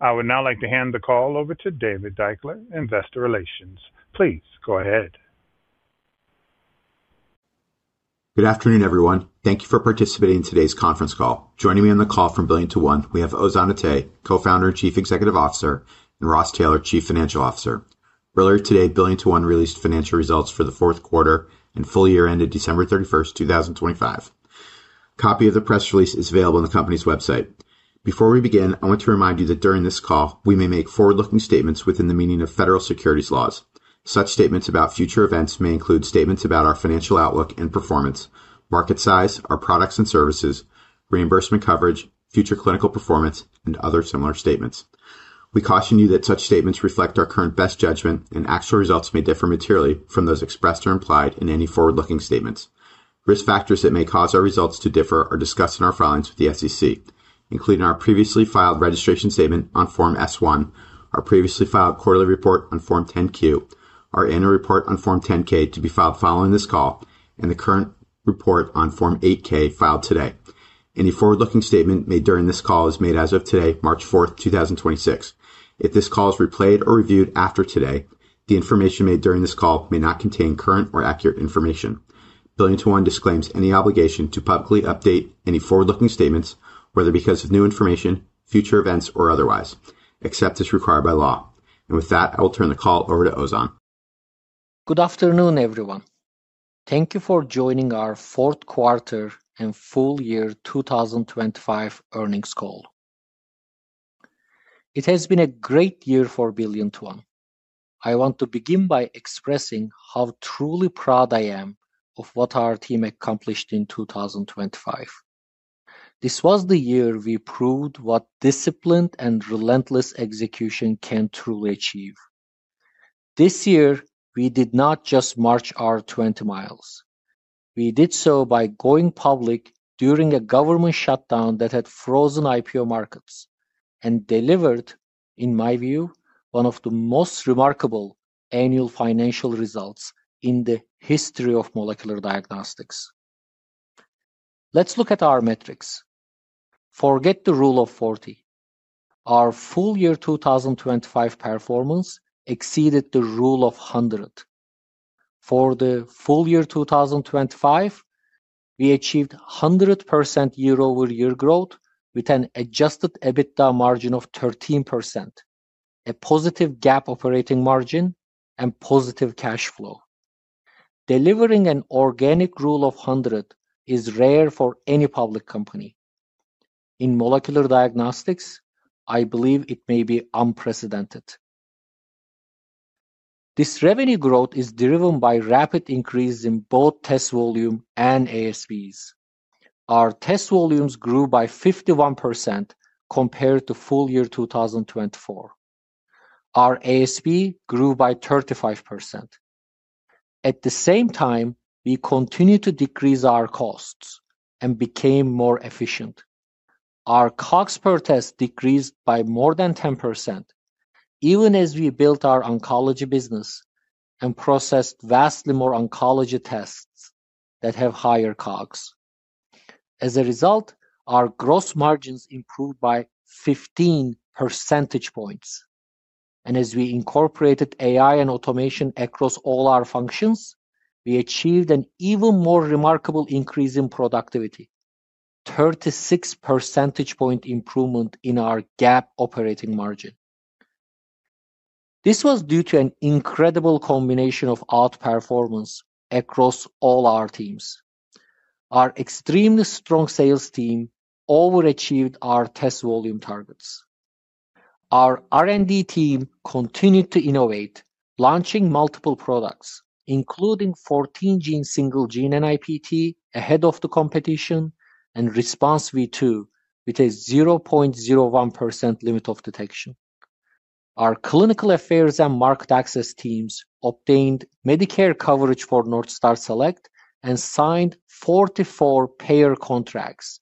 I would now like to hand the call over to David Deichler, Investor Relations. Please go ahead. Good afternoon, everyone. Thank you for participating in today's conference call. Joining me on the call from BillionToOne, we have Ozan Atay, Co-founder and Chief Executive Officer, and Ross Taylor, Chief Financial Officer. Earlier today, BillionToOne released financial results for the fourth quarter and full year ended December 31st, 2025. Copy of the press release is available on the company's website. Before we begin, I want to remind you that during this call, we may make forward-looking statements within the meaning of federal securities laws. Such statements about future events may include statements about our financial outlook and performance, market size, our products and services, reimbursement coverage, future clinical performance, and other similar statements. We caution you that such statements reflect our current best judgment, and actual results may differ materially from those expressed or implied in any forward-looking statements. Risk factors that may cause our results to differ are discussed in our filings with the SEC, including our previously filed registration statement on Form S-1, our previously filed quarterly report on Form 10-Q, our Annual Report on Form 10-K to be filed following this call, and the current report on Form 8-K filed today. Any forward-looking statement made during this call is made as of today, March 4th, 2026. If this call is replayed or reviewed after today, the information made during this call may not contain current or accurate information. BillionToOne disclaims any obligation to publicly update any forward-looking statements, whether because of new information, future events, or otherwise, except as required by law. With that, I will turn the call over to Ozan. Good afternoon, everyone. Thank you for joining our fourth quarter and full year 2025 earnings call. It has been a great year for BillionToOne. I want to begin by expressing how truly proud I am of what our team accomplished in 2025. This was the year we proved what disciplined and relentless execution can truly achieve. This year, we did not just march our 20 mi. We did so by going public during a government shutdown that had frozen IPO markets and delivered, in my view, one of the most remarkable annual financial results in the history of molecular diagnostics. Let's look at our metrics. Forget the Rule of 40. Our full year 2025 performance exceeded the Rule of 100. For the full year 2025, we achieved 100% year-over-year growth with an adjusted EBITDA margin of 13%, a positive GAAP operating margin, and positive cash flow. Delivering an organic rule of 100 is rare for any public company. In molecular diagnostics, I believe it may be unprecedented. This revenue growth is driven by rapid increase in both test volume and ASPs. Our test volumes grew by 51% compared to full year 2024. Our ASP grew by 35%. At the same time, we continued to decrease our costs and became more efficient. Our COGS per test decreased by more than 10%, even as we built our oncology business and processed vastly more oncology tests that have higher COGS. As a result, our gross margins improved by 15 percentage points. As we incorporated AI and automation across all our functions, we achieved an even more remarkable increase in productivity, 36-percentage-point improvement in our GAAP operating margin. This was due to an incredible combination of outperformance across all our teams. Our extremely strong sales team overachieved our test volume targets. Our R&D team continued to innovate, launching multiple products, including 14-gene, single-gene NIPT ahead of the competition, and Response V2 with a 0.01% limit of detection. Our clinical affairs and market access teams obtained Medicare coverage for Northstar Select and signed 44 payer contracts,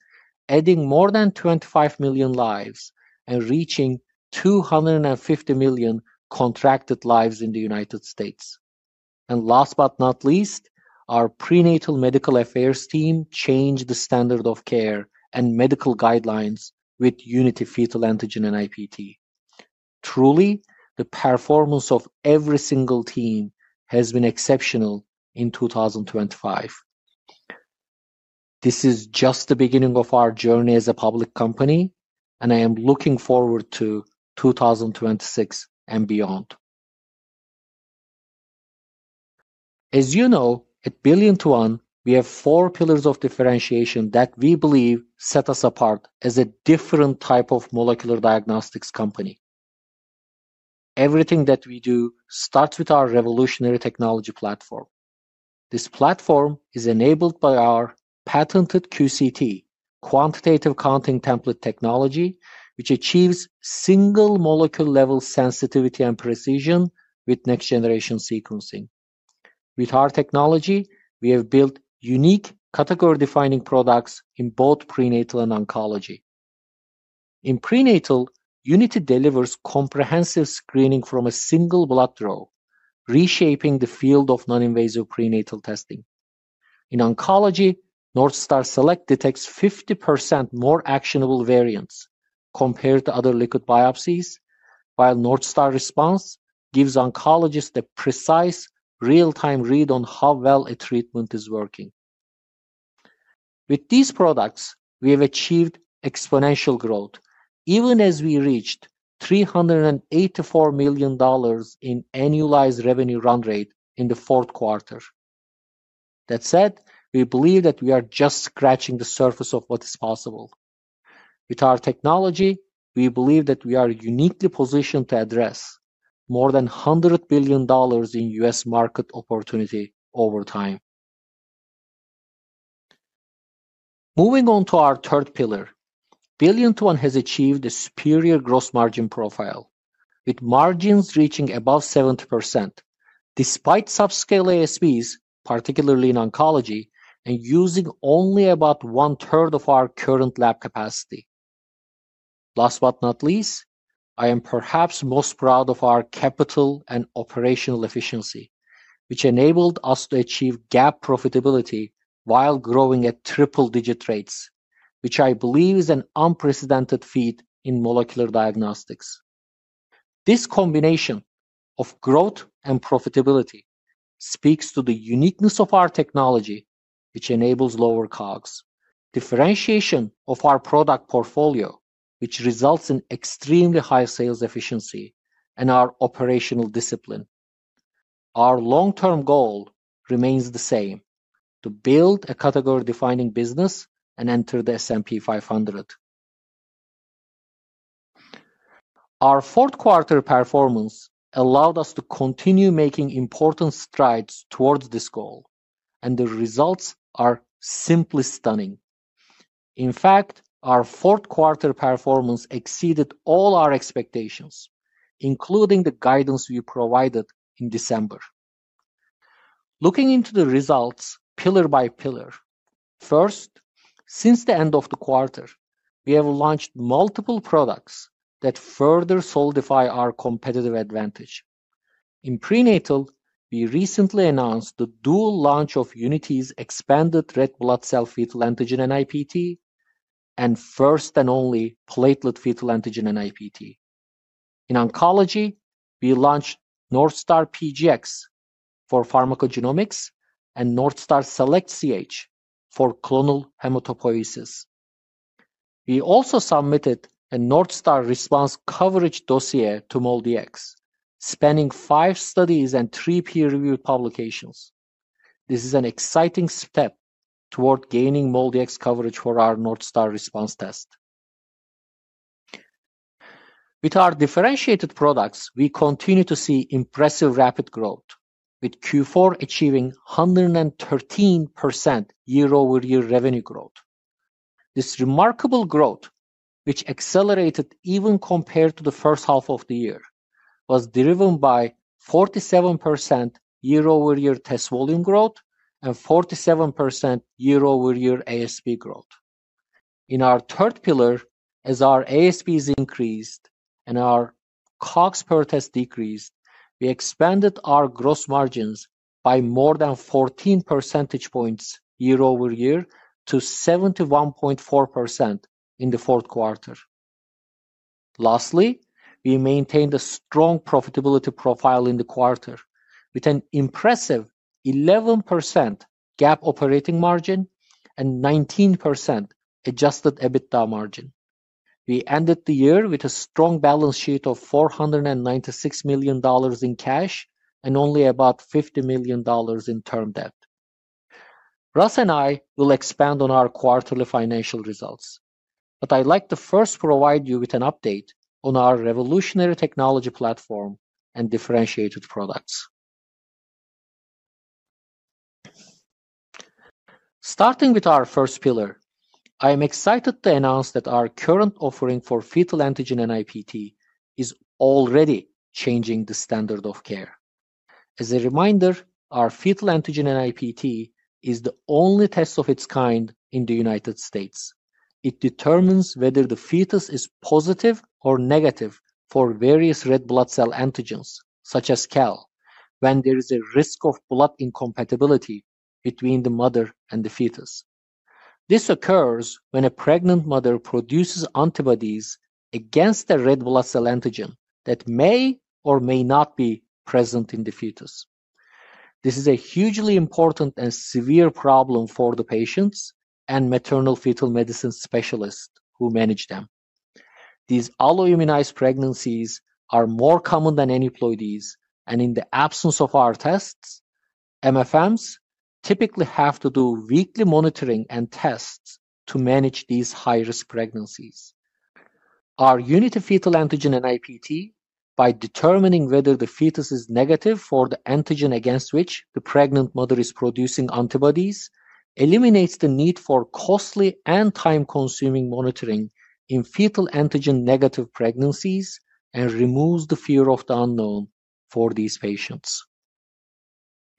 adding more than 25 million lives and reaching 250 million contracted lives in the United States. Last but not least, our prenatal medical affairs team changed the standard of care and medical guidelines with UNITY fetal antigen NIPT. Truly, the performance of every single team has been exceptional in 2025. This is just the beginning of our journey as a public company. I am looking forward to 2026 and beyond. As you know, at BillionToOne, we have four pillars of differentiation that we believe set us apart as a different type of molecular diagnostics company. Everything that we do starts with our revolutionary technology platform. This platform is enabled by our patented QCT, Quantitative Counting Templates technology, which achieves single molecule-level sensitivity and precision with next-generation sequencing. With our technology, we have built unique category-defining products in both prenatal and oncology. In prenatal, UNITY delivers comprehensive screening from a single blood draw, reshaping the field of non-invasive prenatal testing. In oncology, Northstar Select detects 50% more actionable variants compared to other liquid biopsies, while Northstar Response gives oncologists a precise real-time read on how well a treatment is working. With these products, we have achieved exponential growth, even as we reached $384 million in annualized revenue run rate in the fourth quarter. That said, we believe that we are just scratching the surface of what is possible. With our technology, we believe that we are uniquely positioned to address more than $100 billion in U.S. market opportunity over time. Moving on to our third pillar, BillionToOne has achieved a superior gross margin profile, with margins reaching above 70%, despite subscale ASPs, particularly in oncology, and using only about one-third of our current lab capacity. Last but not least, I am perhaps most proud of our capital and operational efficiency, which enabled us to achieve GAAP profitability while growing at triple-digit rates, which I believe is an unprecedented feat in molecular diagnostics. This combination of growth and profitability speaks to the uniqueness of our technology, which enables lower COGS, differentiation of our product portfolio, which results in extremely high sales efficiency and our operational discipline. Our long-term goal remains the same, to build a category-defining business and enter the S&P 500. Our fourth quarter performance allowed us to continue making important strides towards this goal, and the results are simply stunning. In fact, our fourth quarter performance exceeded all our expectations, including the guidance we provided in December. Looking into the results pillar by pillar, first, since the end of the quarter, we have launched multiple products that further solidify our competitive advantage. In prenatal, we recently announced the dual launch of UNITY's expanded red blood cell fetal antigen NIPT and first and only platelet fetal antigen NIPT. In oncology, we launched Northstar PGx for pharmacogenomics and Northstar Select CH for clonal hematopoiesis. We also submitted a Northstar Response coverage dossier to MolDx, spanning five studies and three peer-reviewed publications. This is an exciting step toward gaining MolDx coverage for our Northstar Response test. With our differentiated products, we continue to see impressive rapid growth, with Q4 achieving 113% year-over-year revenue growth. This remarkable growth, which accelerated even compared to the first half of the year, was driven by 47% year-over-year test volume growth and 47% year-over-year ASP growth. In our third pillar, as our ASPs increased and our COGS per test decreased, we expanded our gross margins by more than 14 percentage points year-over-year to 71.4% in the fourth quarter. Lastly, we maintained a strong profitability profile in the quarter with an impressive 11% GAAP operating margin and 19% adjusted EBITDA margin. We ended the year with a strong balance sheet of $496 million in cash and only about $50 million in term debt. Ross and I will expand on our quarterly financial results, but I'd like to first provide you with an update on our revolutionary technology platform and differentiated products. Starting with our first pillar, I am excited to announce that our current offering for fetal antigen NIPT is already changing the standard of care. As a reminder, our fetal antigen NIPT is the only test of its kind in the United States. It determines whether the fetus is positive or negative for various red blood cell antigens, such as Kell, when there is a risk of blood incompatibility between the mother and the fetus. This occurs when a pregnant mother produces antibodies against the red blood cell antigen that may or may not be present in the fetus. This is a hugely important and severe problem for the patients and Maternal-Fetal Medicine specialists who manage them. These alloimmunized pregnancies are more common than aneuploidies, and in the absence of our tests, MFMs typically have to do weekly monitoring and tests to manage these high-risk pregnancies. Our UNITY fetal antigen NIPT, by determining whether the fetus is negative for the antigen against which the pregnant mother is producing antibodies, eliminates the need for costly and time-consuming monitoring in fetal antigen-negative pregnancies and removes the fear of the unknown for these patients.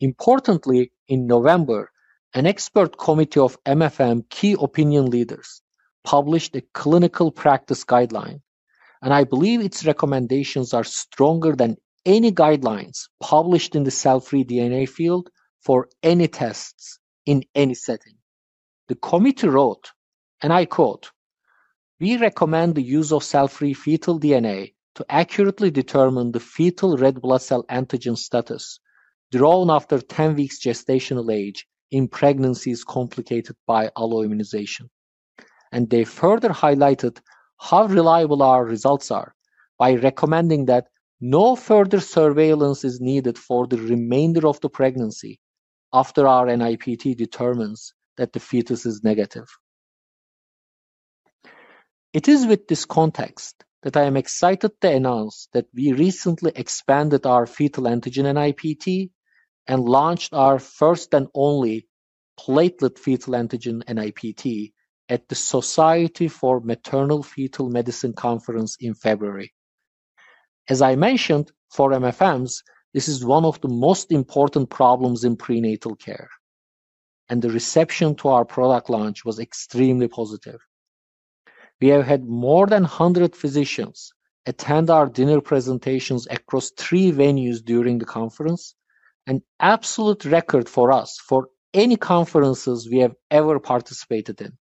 Importantly, in November, an expert committee of MFM key opinion leaders published a clinical practice guideline. I believe its recommendations are stronger than any guidelines published in the cell-free DNA field for any tests in any setting. The committee wrote, and I quote, we recommend the use of cell-free fetal DNA to accurately determine the fetal red blood cell antigen status drawn after 10 weeks gestational age in pregnancies complicated by alloimmunization. They further highlighted how reliable our results are by recommending that no further surveillance is needed for the remainder of the pregnancy after our NIPT determines that the fetus is negative. It is with this context that I am excited to announce that we recently expanded our fetal antigen NIPT and launched our first and only platelet fetal antigen NIPT at the Society for Maternal-Fetal Medicine conference in February. As I mentioned, for MFMs, this is one of the most important problems in prenatal care, and the reception to our product launch was extremely positive. We have had more than 100 physicians attend our dinner presentations across three venues during the conference, an absolute record for us for any conferences we have ever participated in.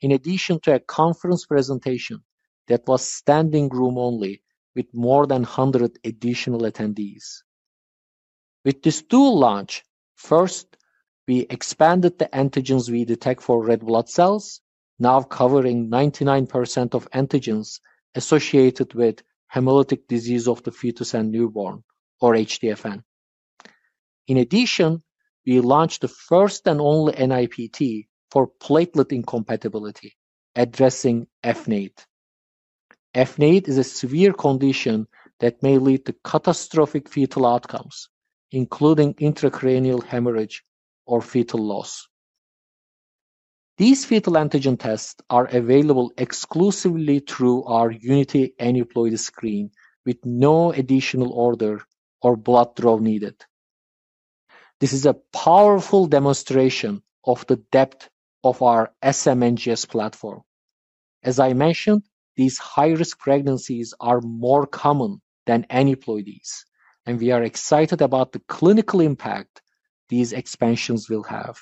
In addition to a conference presentation that was standing room only with more than 100 additional attendees. With this dual launch, first, we expanded the antigens we detect for red blood cells, now covering 99% of antigens associated with hemolytic disease of the fetus and newborn, or HDFN. In addition, we launched the first and only NIPT for platelet incompatibility addressing FNAIT. FNAIT is a severe condition that may lead to catastrophic fetal outcomes, including intracranial hemorrhage or fetal loss. These fetal antigen tests are available exclusively through our UNITY Aneuploidy Screen with no additional order or blood draw needed. This is a powerful demonstration of the depth of our smNGS platform. As I mentioned, these high-risk pregnancies are more common than aneuploidies, and we are excited about the clinical impact these expansions will have.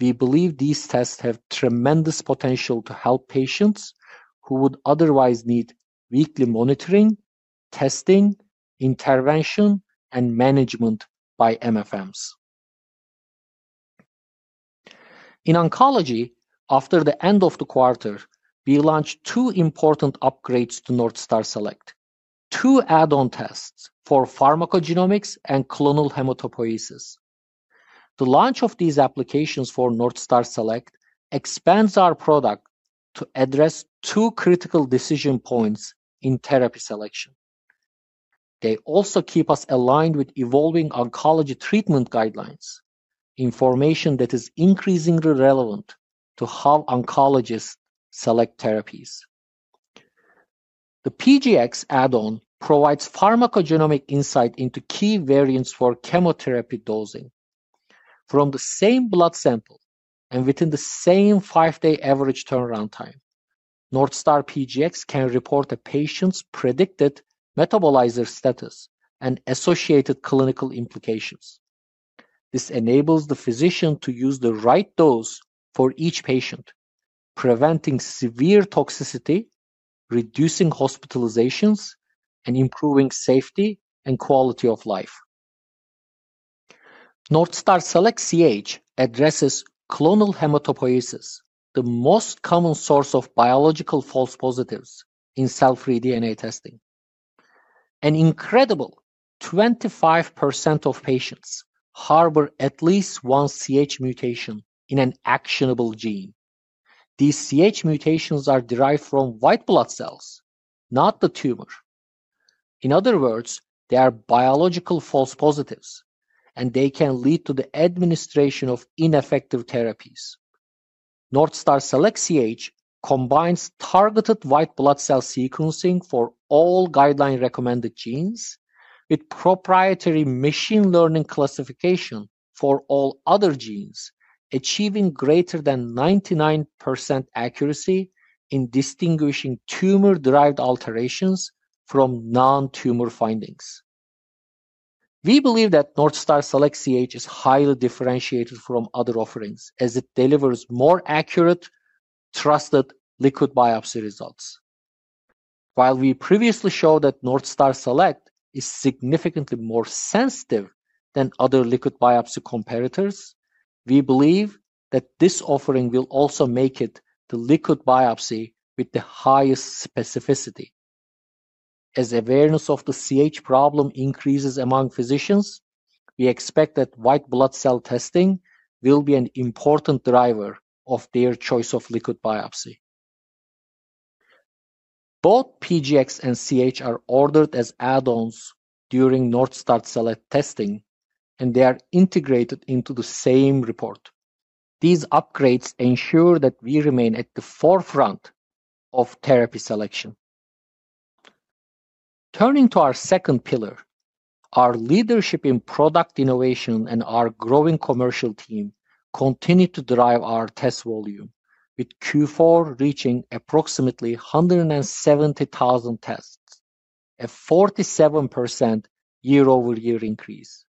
We believe these tests have tremendous potential to help patients who would otherwise need weekly monitoring, testing, intervention, and management by MFMs. In oncology, after the end of the quarter, we launched two important upgrades to Northstar Select, two add-on tests for pharmacogenomics and clonal hematopoiesis. The launch of these applications for Northstar Select expands our product to address two critical decision points in therapy selection. They also keep us aligned with evolving oncology treatment guidelines, information that is increasingly relevant to how oncologists select therapies. The PGx add-on provides pharmacogenomic insight into key variants for chemotherapy dosing. From the same blood sample and within the same five-day average turnaround time, Northstar PGx can report a patient's predicted metabolizer status and associated clinical implications. This enables the physician to use the right dose for each patient, preventing severe toxicity, reducing hospitalizations, and improving safety and quality of life. Northstar Select CH addresses clonal hematopoiesis, the most common source of biological false-positives in cell-free DNA testing. An incredible 25% of patients harbor at least one CH mutation in an actionable gene. These CH mutations are derived from white blood cells, not the tumor. In other words, they are biological false positives, and they can lead to the administration of ineffective therapies. Northstar Select CH combines targeted white blood cell sequencing for all guideline-recommended genes with proprietary machine learning classification for all other genes, achieving greater than 99% accuracy in distinguishing tumor-derived alterations from non-tumor findings. We believe that Northstar Select CH is highly differentiated from other offerings as it delivers more accurate, trusted liquid biopsy results. While we previously showed that Northstar Select is significantly more sensitive than other liquid biopsy comparators, we believe that this offering will also make it the liquid biopsy with the highest specificity. As awareness of the CH problem increases among physicians, we expect that white blood cell testing will be an important driver of their choice of liquid biopsy. Both PGx and CH are ordered as add-ons during Northstar Select testing. They are integrated into the same report. These upgrades ensure that we remain at the forefront of therapy selection. Turning to our second pillar, our leadership in product innovation and our growing commercial team continued to drive our test volume, with Q4 reaching approximately 170,000 tests, a 47% year-over-year increase.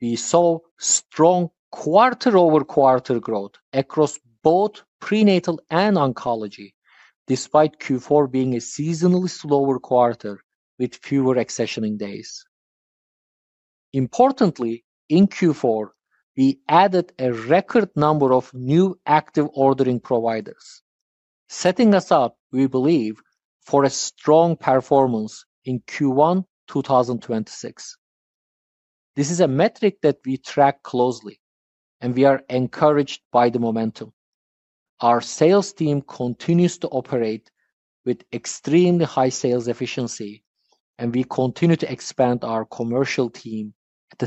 We saw strong quarter-over-quarter growth across both prenatal and oncology, despite Q4 being a seasonally slower quarter with fewer accessioning days. Importantly, in Q4, we added a record number of new active ordering providers, setting us up, we believe, for a strong performance in Q1 2026. This is a metric that we track closely. We are encouraged by the momentum. Our sales team continues to operate with extremely high sales efficiency. We continue to expand our commercial team at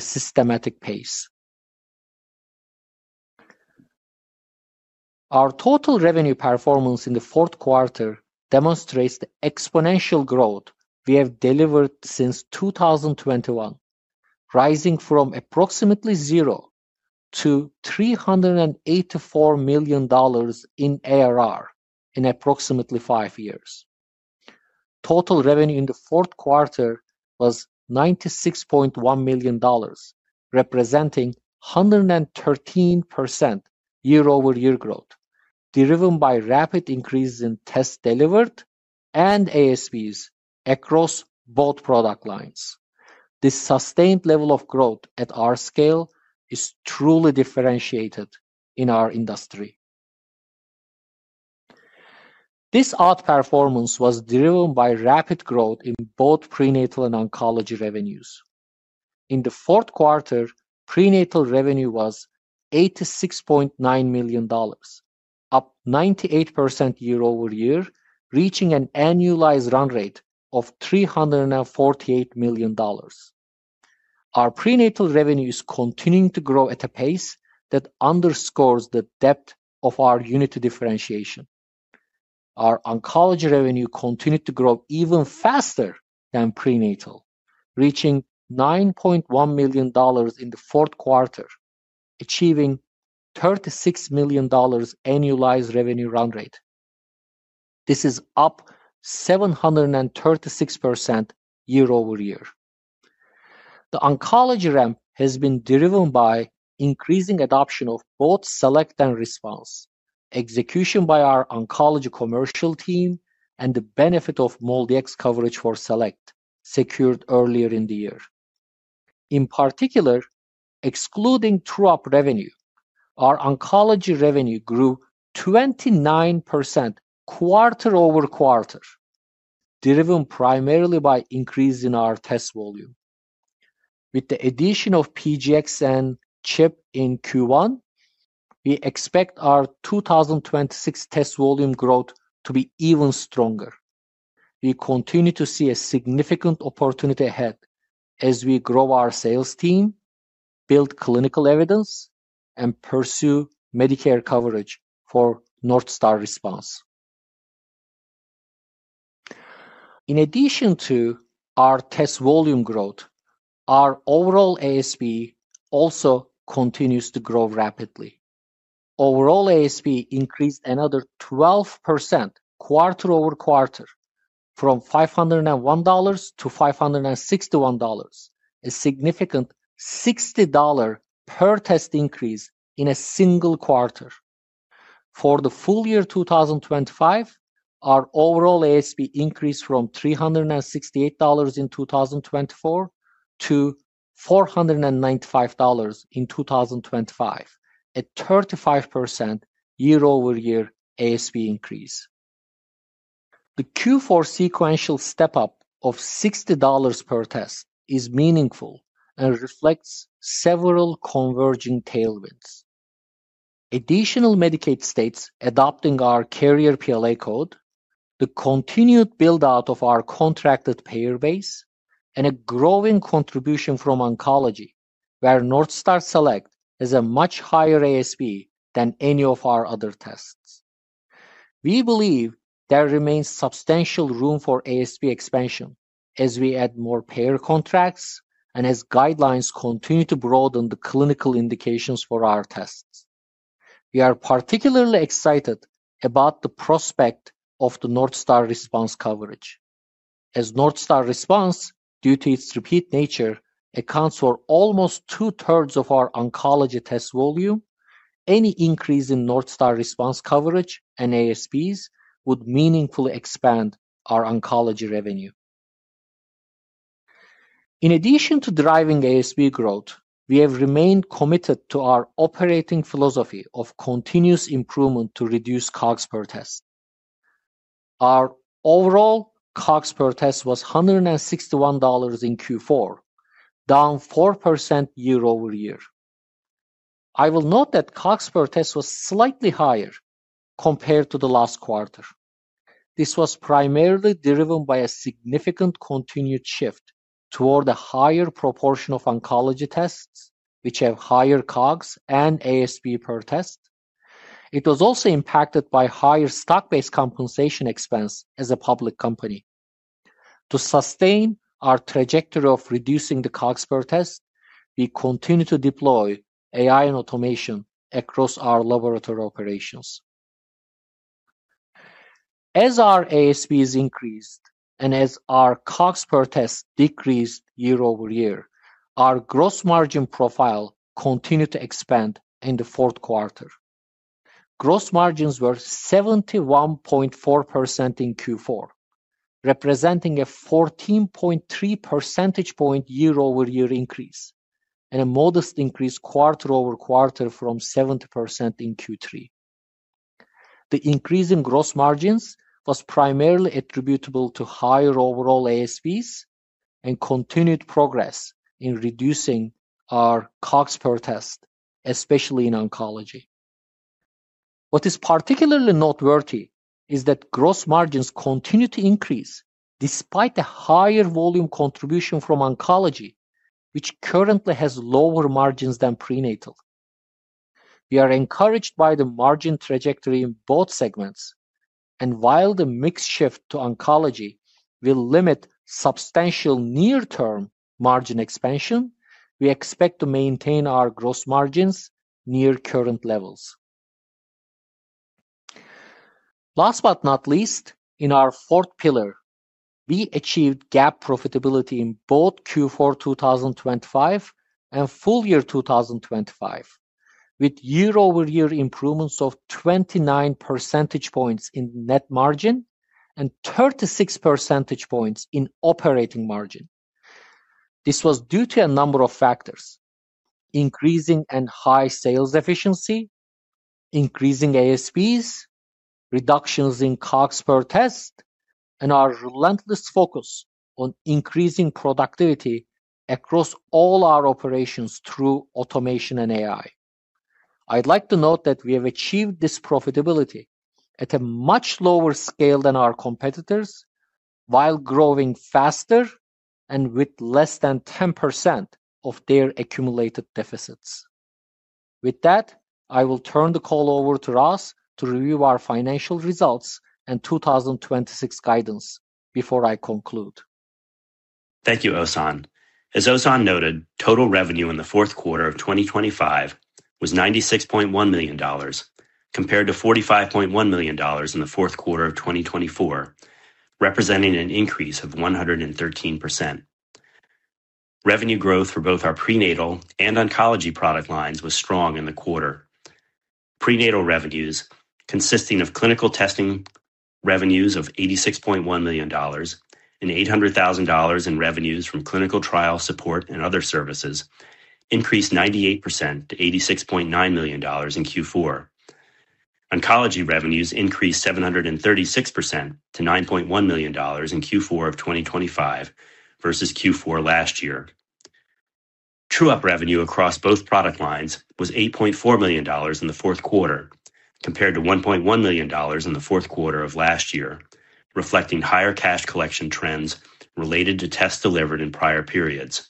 a systematic pace. Our total revenue performance in the fourth quarter demonstrates the exponential growth we have delivered since 2021, rising from approximately $0 to $384 million in ARR in approximately five years. Total revenue in the fourth quarter was $96.1 million, representing 113% year-over-year growth, driven by rapid increases in tests delivered and ASPs across both product lines. This sustained level of growth at our scale is truly differentiated in our industry. This outperformance was driven by rapid growth in both prenatal and oncology revenues. In the fourth quarter, prenatal revenue was $86.9 million, up 98% year-over-year, reaching an annualized run rate of $348 million. Our prenatal revenue is continuing to grow at a pace that underscores the depth of our UNITY differentiation. Our oncology revenue continued to grow even faster than prenatal, reaching $9.1 million in the fourth quarter, achieving $36 million annualized revenue run rate. This is up 736% year-over-year. The oncology ramp has been driven by increasing adoption of both Select and Response, execution by our oncology commercial team, and the benefit of MolDx coverage for Select secured earlier in the year. In particular, excluding true-up revenue, our oncology revenue grew 29% quarter-over-quarter, driven primarily by increase in our test volume. With the addition of PGx and CHIP in Q1, we expect our 2026 test volume growth to be even stronger. We continue to see a significant opportunity ahead as we grow our sales team, build clinical evidence, and pursue Medicare coverage for Northstar Response. In addition to our test volume growth, our overall ASP also continues to grow rapidly. Overall ASP increased another 12% quarter-over-quarter from $501 to $561, a significant $60 per test increase in a single quarter. For the full year 2025, our overall ASP increased from $368 in 2024 to $495 in 2025, a 35% year-over-year ASP increase. The Q4 sequential step-up of $60 per test is meaningful and reflects several converging tailwinds. Additional Medicaid states adopting our carrier PLA code, the continued build-out of our contracted payer base, and a growing contribution from oncology, where Northstar Select has a much higher ASP than any of our other tests. We believe there remains substantial room for ASP expansion as we add more payer contracts and as guidelines continue to broaden the clinical indications for our tests. We are particularly excited about the prospect of the Northstar Response coverage. Northstar Response, due to its repeat nature, accounts for almost 2/3 of our oncology test volume, any increase in Northstar Response coverage and ASPs would meaningfully expand our oncology revenue. In addition to driving ASP growth, we have remained committed to our operating philosophy of continuous improvement to reduce COGS per test. Our overall COGS per test was $161 in Q4, down 4% year-over-year. I will note that COGS per test was slightly higher compared to the last quarter. This was primarily driven by a significant continued shift toward a higher proportion of oncology tests, which have higher COGS and ASP per test. It was also impacted by higher stock-based compensation expense as a public company. To sustain our trajectory of reducing the COGS per test, we continue to deploy AI and automation across our laboratory operations. As our ASPs increased and as our COGS per test decreased year-over-year, our gross margin profile continued to expand in the fourth quarter. Gross margins were 71.4% in Q4, representing a 14.3 percentage point year-over-year increase, and a modest increase quarter-over-quarter from 70% in Q3. The increase in gross margins was primarily attributable to higher overall ASPs and continued progress in reducing our COGS per test, especially in oncology. What is particularly noteworthy is that gross margins continue to increase despite the higher volume contribution from oncology, which currently has lower margins than prenatal. We are encouraged by the margin trajectory in both segments, while the mix shift to oncology will limit substantial near-term margin expansion, we expect to maintain our gross margins near current levels. Last but not least, in our fourth pillar, we achieved GAAP profitability in both Q4 2025 and full year 2025, with year-over-year improvements of 29 percentage points in net margin and 36 percentage points in operating margin. This was due to a number of factors: increasing and high sales efficiency, increasing ASPs, reductions in COGS per test, and our relentless focus on increasing productivity across all our operations through automation and AI. I'd like to note that we have achieved this profitability at a much lower scale than our competitors while growing faster and with less than 10% of their accumulated deficits. With that, I will turn the call over to Ross to review our financial results and 2026 guidance before I conclude. Thank you, Ozan. As Ozan noted, total revenue in the fourth quarter of 2025 was $96.1 million, compared to $45.1 million in the fourth quarter of 2024, representing an increase of 113%. Revenue growth for both our prenatal and oncology product lines was strong in the quarter. Prenatal revenues, consisting of clinical testing revenues of $86.1 million and $800,000 in revenues from clinical trial support and other services, increased 98% to $86.9 million in Q4. Oncology revenues increased 736% to $9.1 million in Q4 of 2025 versus Q4 last year. True-up revenue across both product lines was $8.4 million in the fourth quarter, compared to $1.1 million in the fourth quarter of last year, reflecting higher cash collection trends related to tests delivered in prior periods.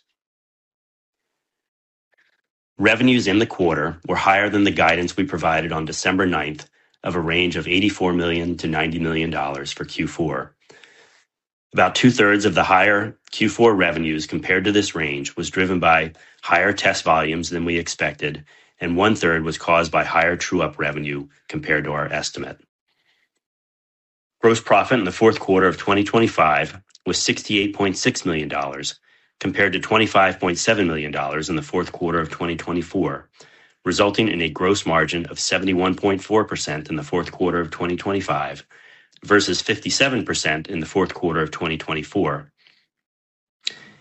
Revenues in the quarter were higher than the guidance we provided on December 9th of a range of $84 million-$90 million for Q4. About 2/3 of the higher Q4 revenues compared to this range was driven by higher test volumes than we expected, and 1/3 was caused by higher true-up revenue compared to our estimate. Gross profit in the fourth quarter of 2025 was $68.6 million, compared to $25.7 million in the fourth quarter of 2024, resulting in a gross margin of 71.4% in the fourth quarter of 2025 versus 57% in the fourth quarter of 2024.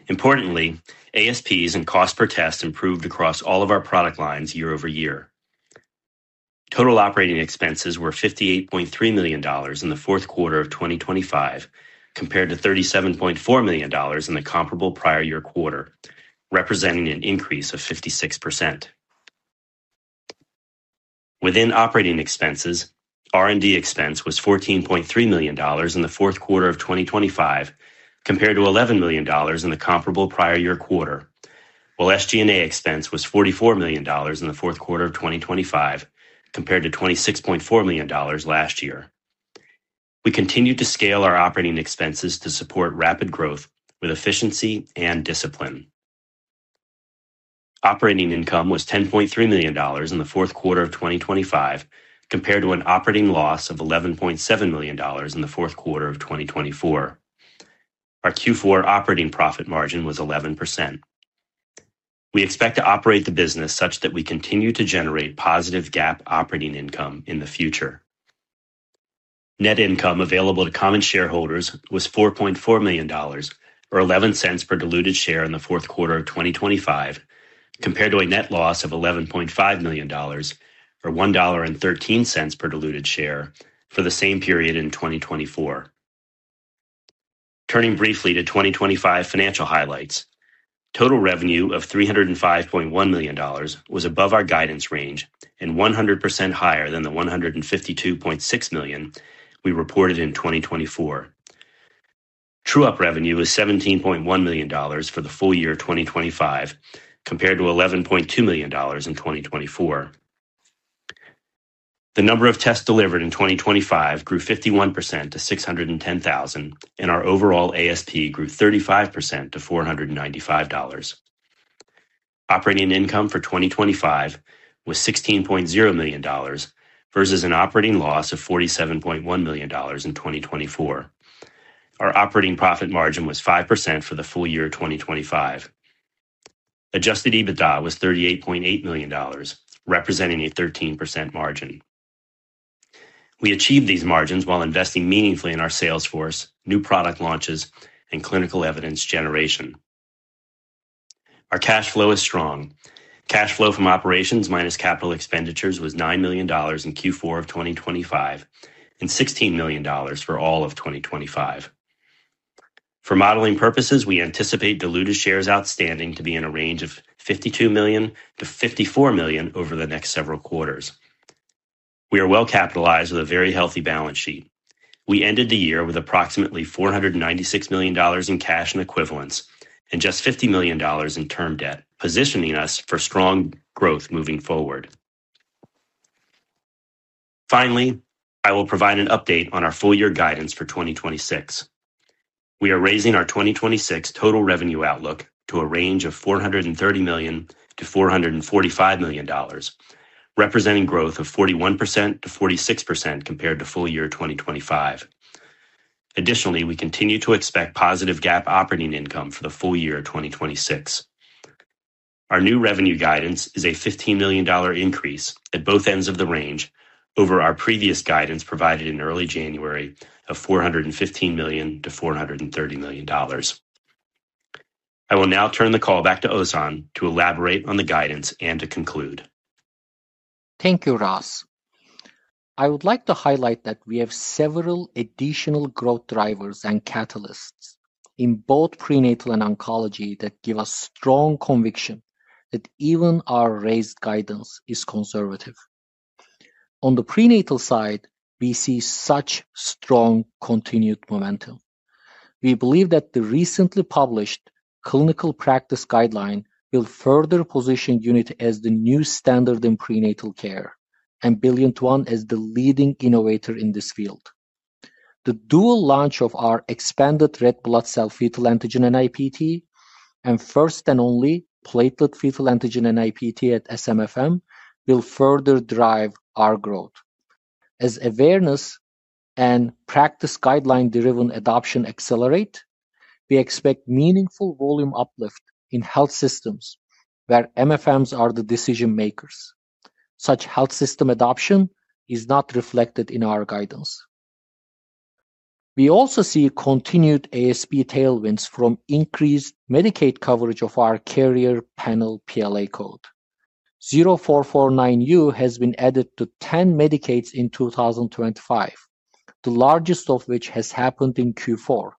Importantly, ASPs and cost per test improved across all of our product lines year-over-year. Total operating expenses were $58.3 million in the fourth quarter of 2025, compared to $37.4 million in the comparable prior year quarter, representing an increase of 56%. Within operating expenses, R&D expense was $14.3 million in the fourth quarter of 2025, compared to $11 million in the comparable prior year quarter, while SG&A expense was $44 million in the fourth quarter of 2025, compared to $26.4 million last year. We continued to scale our operating expenses to support rapid growth with efficiency and discipline. Operating income was $10.3 million in the fourth quarter of 2025, compared to an operating loss of $11.7 million in the fourth quarter of 2024. Our Q4 operating profit margin was 11%. We expect to operate the business such that we continue to generate positive GAAP operating income in the future. Net income available to common shareholders was $4.4 million, or $0.11 per diluted share in the fourth quarter of 2025, compared to a net loss of $11.5 million, or $1.13 per diluted share for the same period in 2024. Turning briefly to 2025 financial highlights. Total revenue of $305.1 million was above our guidance range and 100% higher than the $152.6 million we reported in 2024. True-up revenue is $17.1 million for the full year of 2025, compared to $11.2 million in 2024. The number of tests delivered in 2025 grew 51% to 610,000, and our overall ASP grew 35% to $495. Operating income for 2025 was $16.0 million versus an operating loss of $47.1 million in 2024. Our operating profit margin was 5% for the full year of 2025. Adjusted EBITDA was $38.8 million, representing a 13% margin. We achieved these margins while investing meaningfully in our sales force, new product launches, and clinical evidence generation. Our cash flow is strong. Cash flow from operations minus capital expenditures was $9 million in Q4 of 2025 and $16 million for all of 2025. For modeling purposes, we anticipate diluted shares outstanding to be in a range of 52 million-54 million over the next several quarters. We are well-capitalized with a very healthy balance sheet. We ended the year with approximately $496 million in cash and equivalents and just $50 million in term debt, positioning us for strong growth moving forward. I will provide an update on our full year guidance for 2026. We are raising our 2026 total revenue outlook to a range of $430 million-$445 million, representing growth of 41%-46% compared to full year 2025. We continue to expect positive GAAP operating income for the full year of 2026. Our new revenue guidance is a $15 million increase at both ends of the range over our previous guidance provided in early January of $415 million-$430 million. I will now turn the call back to Ozan to elaborate on the guidance and to conclude. Thank you, Ross. I would like to highlight that we have several additional growth drivers and catalysts in both prenatal and oncology that give us strong conviction that even our raised guidance is conservative. On the prenatal side, we see such strong continued momentum. We believe that the recently published clinical practice guideline will further position UNITY as the new standard in prenatal care and BillionToOne as the leading innovator in this field. The dual launch of our expanded red blood cell fetal antigen NIPT and first and only platelet fetal antigen NIPT at SMFM will further drive our growth. As awareness and practice guideline-driven adoption accelerate, we expect meaningful volume uplift in health systems where MFMs are the decision-makers. Such health system adoption is not reflected in our guidance. We also see continued ASP tailwinds from increased Medicaid coverage of our carrier panel PLA code. 0449U has been added to 10 Medicaids in 2025, the largest of which has happened in Q4,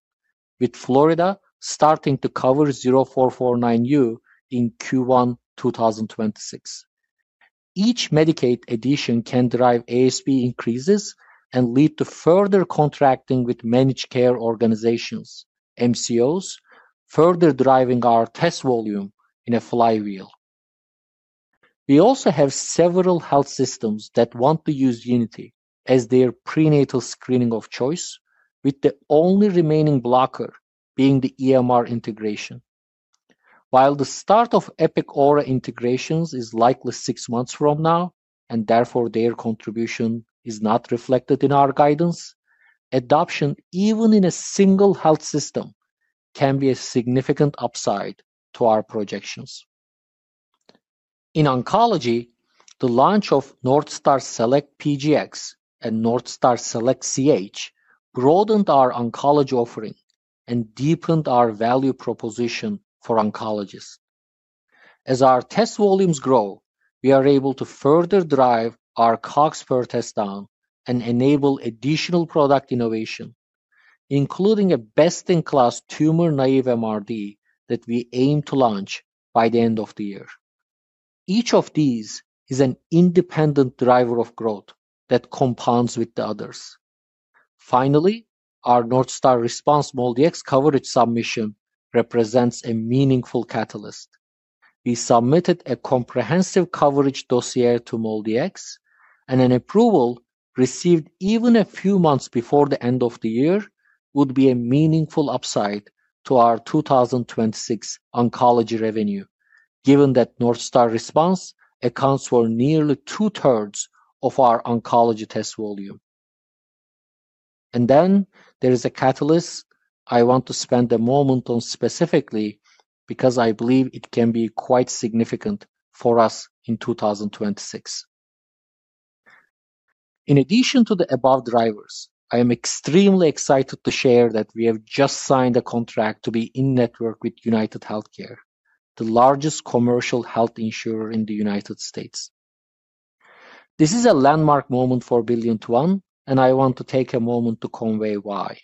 with Florida starting to cover 0449U in Q1 2026. Each Medicaid addition can drive ASP increases and lead to further contracting with managed care organizations, MCOs, further driving our test volume in a flywheel. We also have several health systems that want to use UNITY as their prenatal screening of choice, with the only remaining blocker being the EMR integration. While the start of Epic Aura integrations is likely six months from now, and therefore their contribution is not reflected in our guidance, adoption even in a single health system can be a significant upside to our projections. In oncology, the launch of Northstar Select PGx and Northstar Select CH broadened our oncology offering and deepened our value proposition for oncologists. As our test volumes grow, we are able to further drive our cost per test down and enable additional product innovation, including a best-in-class tumor-naive MRD that we aim to launch by the end of the year. Each of these is an independent driver of growth that compounds with the others. Our Northstar Response MolDx coverage submission represents a meaningful catalyst. We submitted a comprehensive coverage dossier to MolDx, and an approval received even a few months before the end of the year would be a meaningful upside to our 2026 oncology revenue given that Northstar Response accounts for nearly 2/3 of our oncology test volume. There is a catalyst I want to spend a moment on specifically because I believe it can be quite significant for us in 2026. In addition to the above drivers, I am extremely excited to share that we have just signed a contract to be in-network with UnitedHealthcare, the largest commercial health insurer in the United States. This is a landmark moment for BillionToOne, and I want to take a moment to convey why.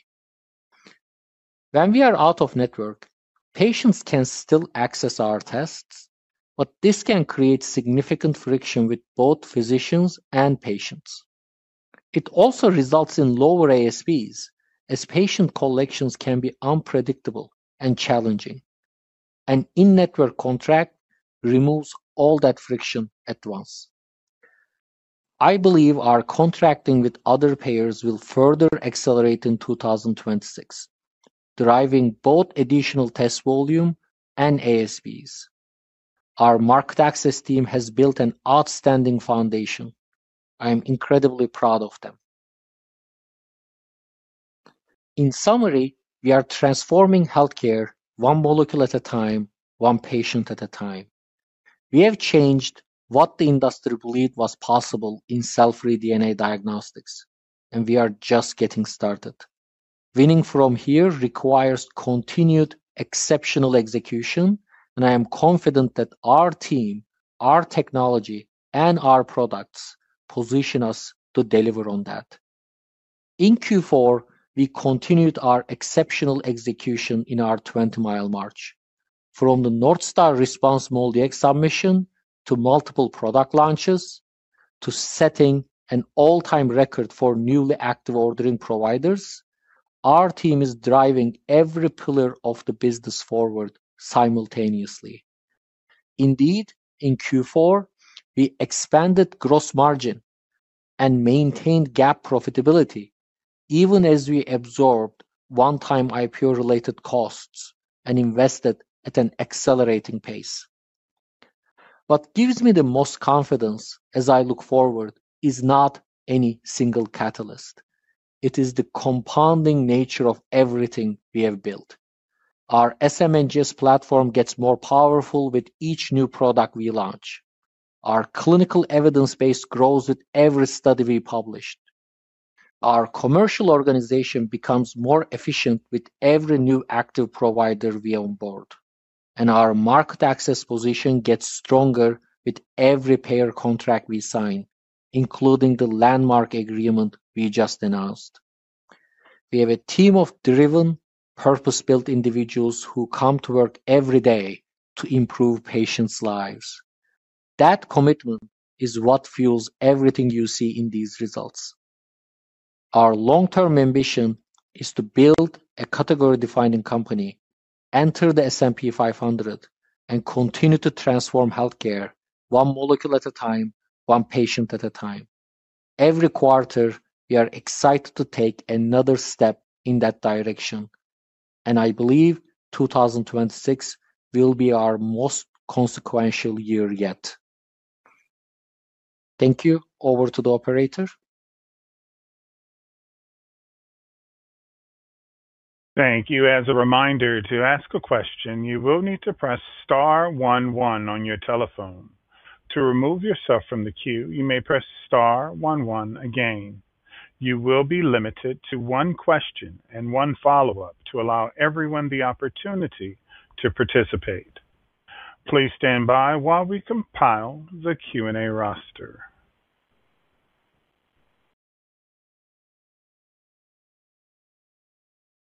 When we are out of network, patients can still access our tests, but this can create significant friction with both physicians and patients. It also results in lower ASPs, as patient collections can be unpredictable and challenging. An in-network contract removes all that friction at once. I believe our contracting with other payers will further accelerate in 2026, driving both additional test volume and ASPs. Our market access team has built an outstanding foundation. I am incredibly proud of them. In summary, we are transforming healthcare one molecule at a time, one patient at a time. We have changed what the industry believed was possible in cell-free DNA diagnostics, and we are just getting started. Winning from here requires continued exceptional execution, and I am confident that our team, our technology, and our products position us to deliver on that. In Q4, we continued our exceptional execution in our 20-Mile March. From the Northstar Response MolDx submission to multiple product launches to setting an all-time record for newly active ordering providers, our team is driving every pillar of the business forward simultaneously. Indeed, in Q4, we expanded gross margin and maintained GAAP profitability even as we absorbed one-time IPO-related costs and invested at an accelerating pace. What gives me the most confidence as I look forward is not any single catalyst. It is the compounding nature of everything we have built. Our smNGS platform gets more powerful with each new product we launch. Our clinical evidence base grows with every study we publish. Our commercial organization becomes more efficient with every new active provider we onboard, and our market access position gets stronger with every payer contract we sign, including the landmark agreement we just announced. We have a team of driven, purpose-built individuals who come to work every day to improve patients' lives. That commitment is what fuels everything you see in these results. Our long-term ambition is to build a category-defining company, enter the S&P 500, and continue to transform healthcare one molecule at a time, one patient at a time. Every quarter, we are excited to take another step in that direction, and I believe 2026 will be our most consequential year yet. Thank you. Over to the Operator. Thank you. As a reminder, to ask a question, you will need to press star one one on your telephone. To remove yourself from the queue, you may press star one one again. You will be limited to one question and one follow-up to allow everyone the opportunity to participate. Please stand by while we compile the Q&A roster.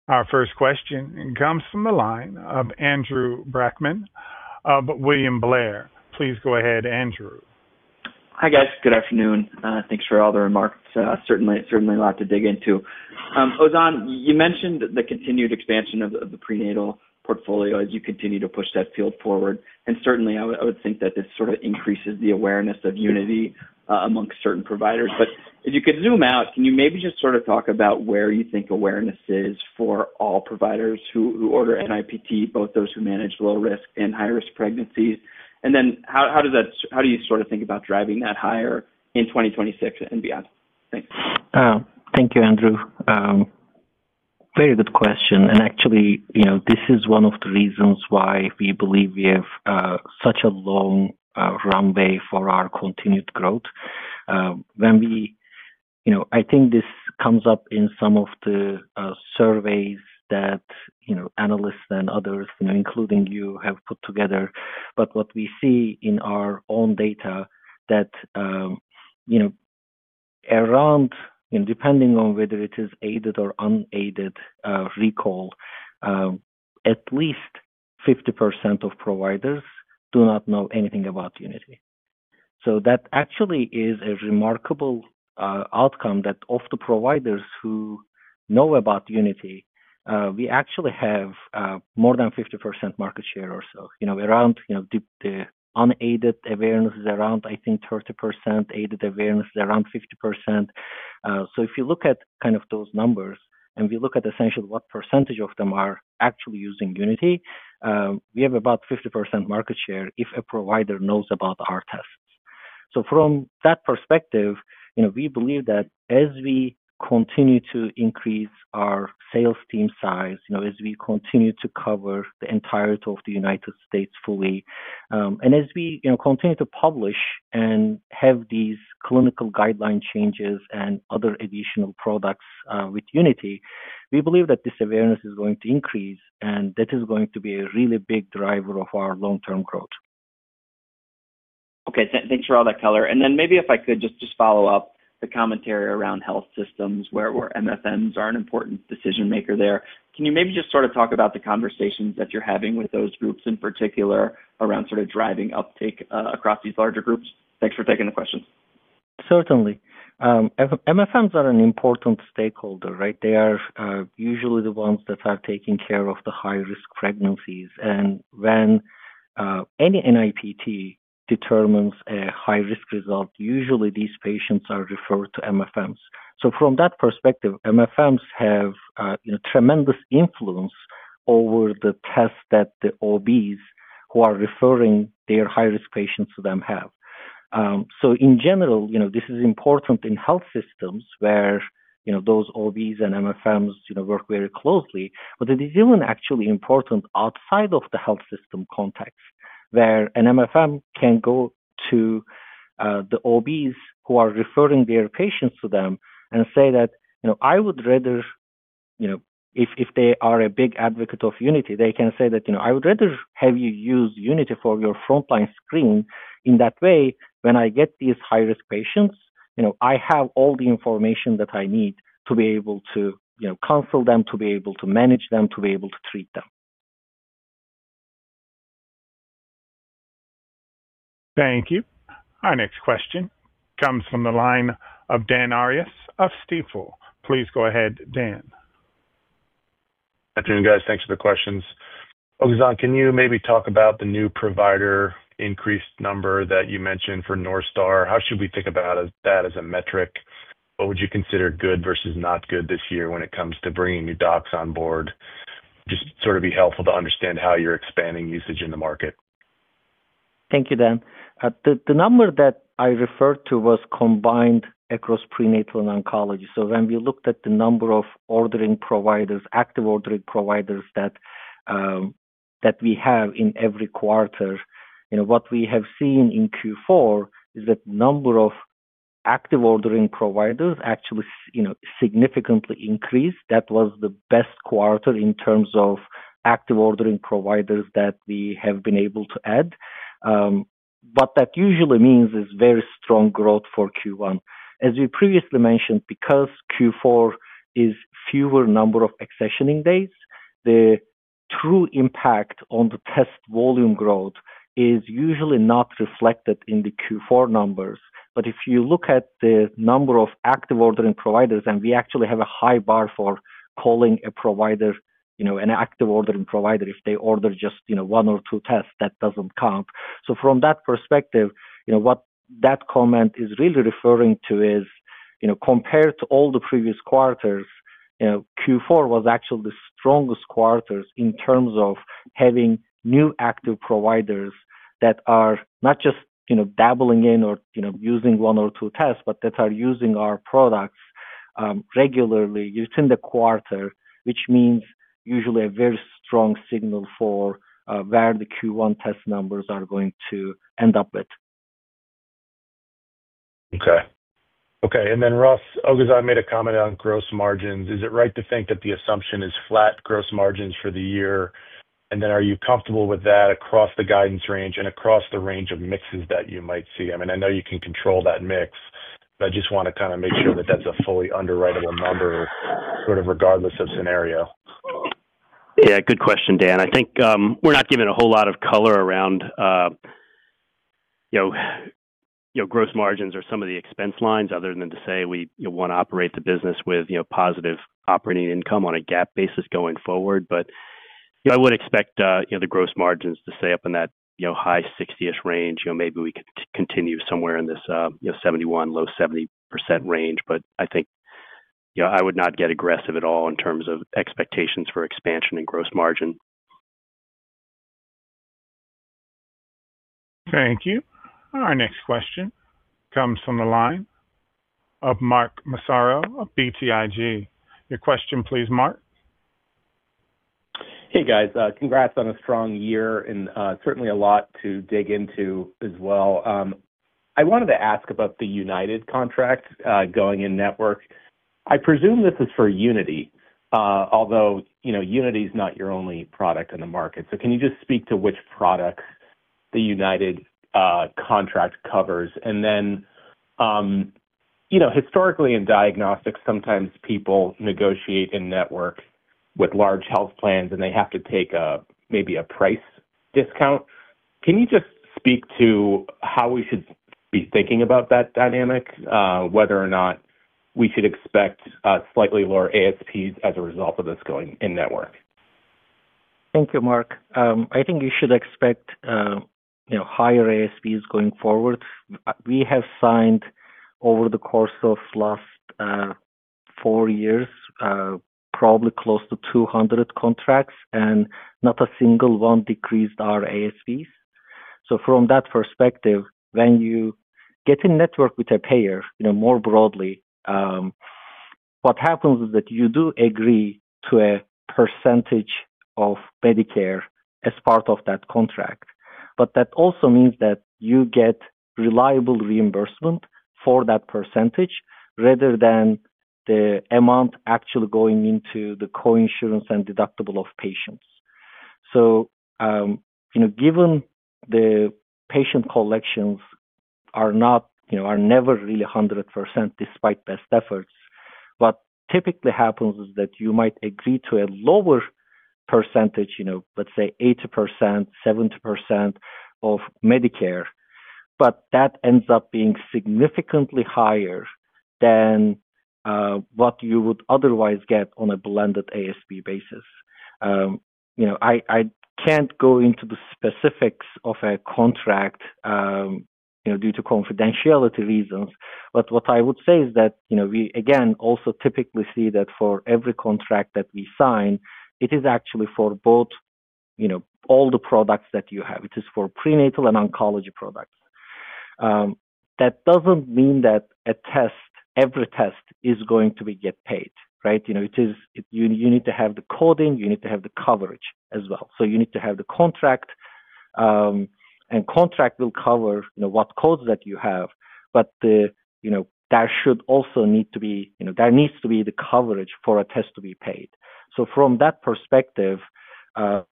Our first question comes from the line of Andrew Brackmann of William Blair. Please go ahead, Andrew. Hi, guys. Good afternoon. Thanks for all the remarks. Certainly a lot to dig into. Ozan, you mentioned the continued expansion of the prenatal portfolio as you continue to push that field forward. Certainly I would think that this sort of increases the awareness of UNITY amongst certain providers. If you could zoom out, can you maybe just sort of talk about where you think awareness is for all providers who order NIPT, both those who manage low-risk and high-risk pregnancies? Then how do you sort of think about driving that higher in 2026 and beyond? Thanks. Thank you, Andrew. Very good question. Actually, you know, this is one of the reasons why we believe we have such a long runway for our continued growth. You know, I think this comes up in some of the surveys that, you know, analysts and others, you know, including you, have put together. What we see in our own data that, you know, around, you know, depending on whether it is aided or unaided, recall at least 50% of providers do not know anything about UNITY. That actually is a remarkable outcome that of the providers who know about UNITY, we actually have more than 50% market share or so. You know, around, you know, the unaided awareness is around, I think, 30%, aided awareness is around 50%. If you look at kind of those numbers, and we look at essentially what percentage of them are actually using UNITY, we have about 50% market share if a provider knows about our tests. From that perspective, you know, we believe that as we continue to increase our sales team size, you know, as we continue to cover the entirety of the United States fully, and as we, you know, continue to publish and have these clinical guideline changes and other additional products with UNITY, we believe that this awareness is going to increase, and that is going to be a really big driver of our long-term growth. Okay. Thanks for all that color. Maybe if I could just follow up the commentary around health systems where MFMs are an important decision maker there. Can you maybe just sort of talk about the conversations that you're having with those groups in particular around sort of driving uptake across these larger groups? Thanks for taking the question. Certainly. MFMs are an important stakeholder, right? They are usually the ones that are taking care of the high-risk pregnancies. When any NIPT determines a high-risk result, usually these patients are referred to MFMs. From that perspective, MFMs have tremendous influence over the tests that the OBs, who are referring their high-risk patients to them, have. In general, you know, this is important in health systems where, you know, those OBs and MFMs, you know, work very closely. It is even actually important outside of the health system context where an MFM can go to the OBs who are referring their patients to them and say, if they are a big advocate of UNITY, they can say that, you know, I would rather have you use UNITY for your frontline screen. In that way, when I get these high-risk patients, you know, I have all the information that I need to be able to, you know, counsel them, to be able to manage them, to be able to treat them. Thank you. Our next question comes from the line of Dan Arias of Stifel. Please go ahead, Dan. Good afternoon, guys. Thanks for the questions. Oguzhan, can you maybe talk about the new provider increased number that you mentioned for Northstar? How should we think about that as a metric? What would you consider good versus not good this year when it comes to bringing new docs on board? Sort of be helpful to understand how you're expanding usage in the market. Thank you, Dan. The number that I referred to was combined across prenatal and oncology. When we looked at the number of active ordering providers that we have in every quarter, you know, what we have seen in Q4 is that number of active ordering providers actually, you know, significantly increased. That was the best quarter in terms of active ordering providers that we have been able to add. What that usually means is very strong growth for Q1. As we previously mentioned, because Q4 is fewer number of accessioning days, the true impact on the test volume growth is usually not reflected in the Q4 numbers. If you look at the number of active ordering providers, and we actually have a high bar for calling a provider, you know, an active ordering provider, if they order just, you know, one or two tests, that doesn't count. From that perspective, you know, what that comment is really referring to is, you know, compared to all the previous quarters, you know, Q4 was actually the strongest quarters in terms of having new active providers that are not just, you know, dabbling in or, you know, using one or two tests, but that are using our products regularly within the quarter, which means usually a very strong signal for where the Q1 test numbers are going to end up at. Okay. Ross, Oguzhan made a comment on gross margins. Is it right to think that the assumption is flat gross margins for the year? Are you comfortable with that across the guidance range and across the range of mixes that you might see? I mean, I know you can control that mix, but I just wanna kinda make sure that that's a fully underwriteable number sort of regardless of scenario. Yeah, good question, Dan. I think, we're not giving a whole lot of color around, you know, gross margins or some of the expense lines other than to say we, you know, wanna operate the business with, you know, positive operating income on a GAAP basis going forward. You know, I would expect, you know, the gross margins to stay up in that, you know, high 60-ish range. You know, maybe we continue somewhere in this, you know, 71%, low 70% range. I think. You know, I would not get aggressive at all in terms of expectations for expansion and gross margin. Thank you. Our next question comes from the line of Mark Massaro of BTIG. Your question please, Mark. Hey, guys. Congrats on a strong year and certainly a lot to dig into as well. I wanted to ask about the United contract going in-network. I presume this is for UNITY. Although, you know, UNITY is not your only product in the market. Can you just speak to which product the United contract covers? You know, historically in diagnostics, sometimes people negotiate in-network with large health plans, and they have to take maybe a price discount. Can you just speak to how we should be thinking about that dynamic, whether or not we should expect a slightly lower ASP as a result of this going in-network? Thank you, Mark. I think you should expect, you know, higher ASPs going forward. We have signed over the course of last four years, probably close to 200 contracts, and not a single one decreased our ASPs. From that perspective, when you get in-network with a payer, you know, more broadly, what happens is that you do agree to a percentage of Medicare as part of that contract. That also means that you get reliable reimbursement for that percentage rather than the amount actually going into the coinsurance and deductible of patients. You know, given the patient collections, you know, are never really 100% despite best efforts, what typically happens is that you might agree to a lower percentage, you know, let's say 80%, 70% of Medicare, but that ends up being significantly higher than what you would otherwise get on a blended ASP basis. You know, I can't go into the specifics of a contract, you know, due to confidentiality reasons. What I would say is that, you know, we again also typically see that for every contract that we sign, it is actually for both, you know, all the products that you have. It is for prenatal and oncology products. That doesn't mean that every test is going to be get paid, right? You know, you need to have the coding, you need to have the coverage as well. You need to have the contract, and contract will cover, you know, what codes that you have. You know, there needs to be the coverage for a test to be paid. From that perspective, a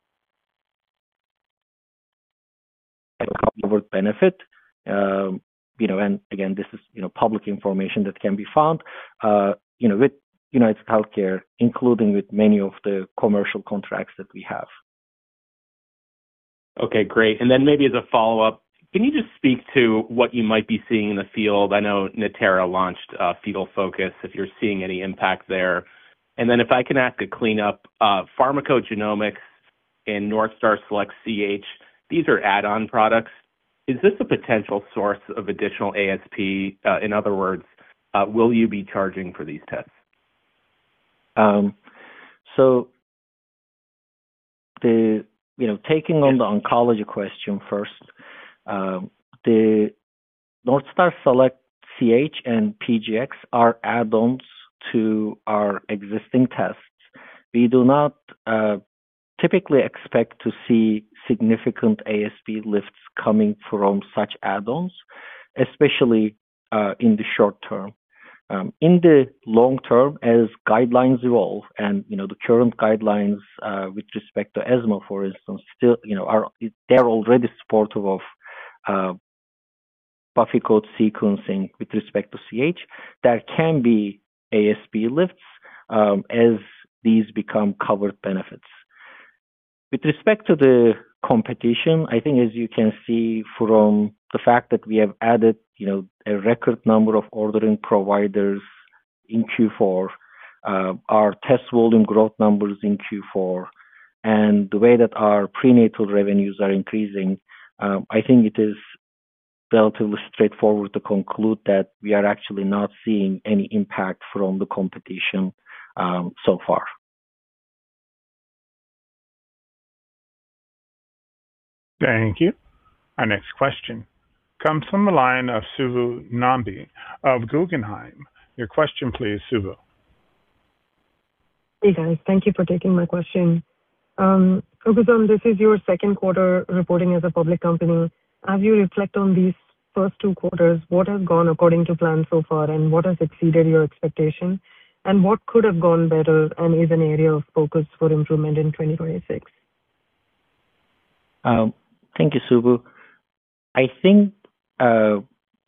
covered benefit, you know, and again, this is, you know, public information that can be found, you know, with UnitedHealthcare, including with many of the commercial contracts that we have. Okay, great. Maybe as a follow-up, can you just speak to what you might be seeing in the field? I know Natera launched Fetal Focus, if you're seeing any impact there. If I can ask a cleanup, pharmacogenomics in Northstar Select CH, these are add-on products. Is this a potential source of additional ASP? In other words, will you be charging for these tests? You know, taking on the oncology question first, the Northstar Select CH and PGx are add-ons to our existing tests. We do not typically expect to see significant ASP lifts coming from such add-ons, especially in the short term. In the long term, as guidelines evolve and, you know, the current guidelines with respect to ESMO, for instance, still, you know, they're already supportive of buffy coat sequencing with respect to CH. There can be ASP lifts as these become covered benefits. With respect to the competition, I think as you can see from the fact that we have added, you know, a record number of ordering providers in Q4, our test volume growth numbers in Q4 and the way that our prenatal revenues are increasing, I think it is relatively straightforward to conclude that we are actually not seeing any impact from the competition, so far. Thank you. Our next question comes from the line of Subbu Nambi of Guggenheim. Your question please, Subbu. Hey, guys. Thank you for taking my question. Oguzhan, this is your second quarter reporting as a public company. As you reflect on these first two quarters, what has gone according to plan so far, and what has exceeded your expectations? What could have gone better and is an area of focus for improvement in 2026? Thank you, Subbu. I think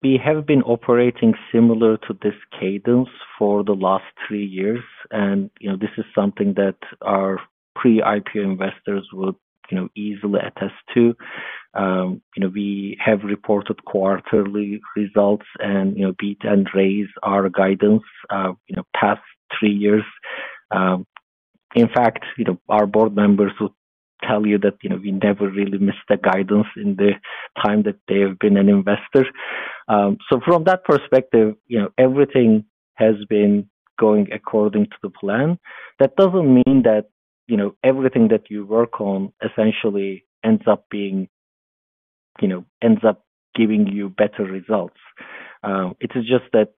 we have been operating similar to this cadence for the last three years and, you know, this is something that our pre-IPO investors will, you know, easily attest to. You know, we have reported quarterly results and, you know, beat and raised our guidance, you know, past three years. In fact, you know, our board members will tell you that, you know, we never really missed the guidance in the time that they have been an investor. From that perspective, you know, everything has been going according to the plan. That doesn't mean that, you know, everything that you work on essentially, you know, ends up giving you better results. It is just that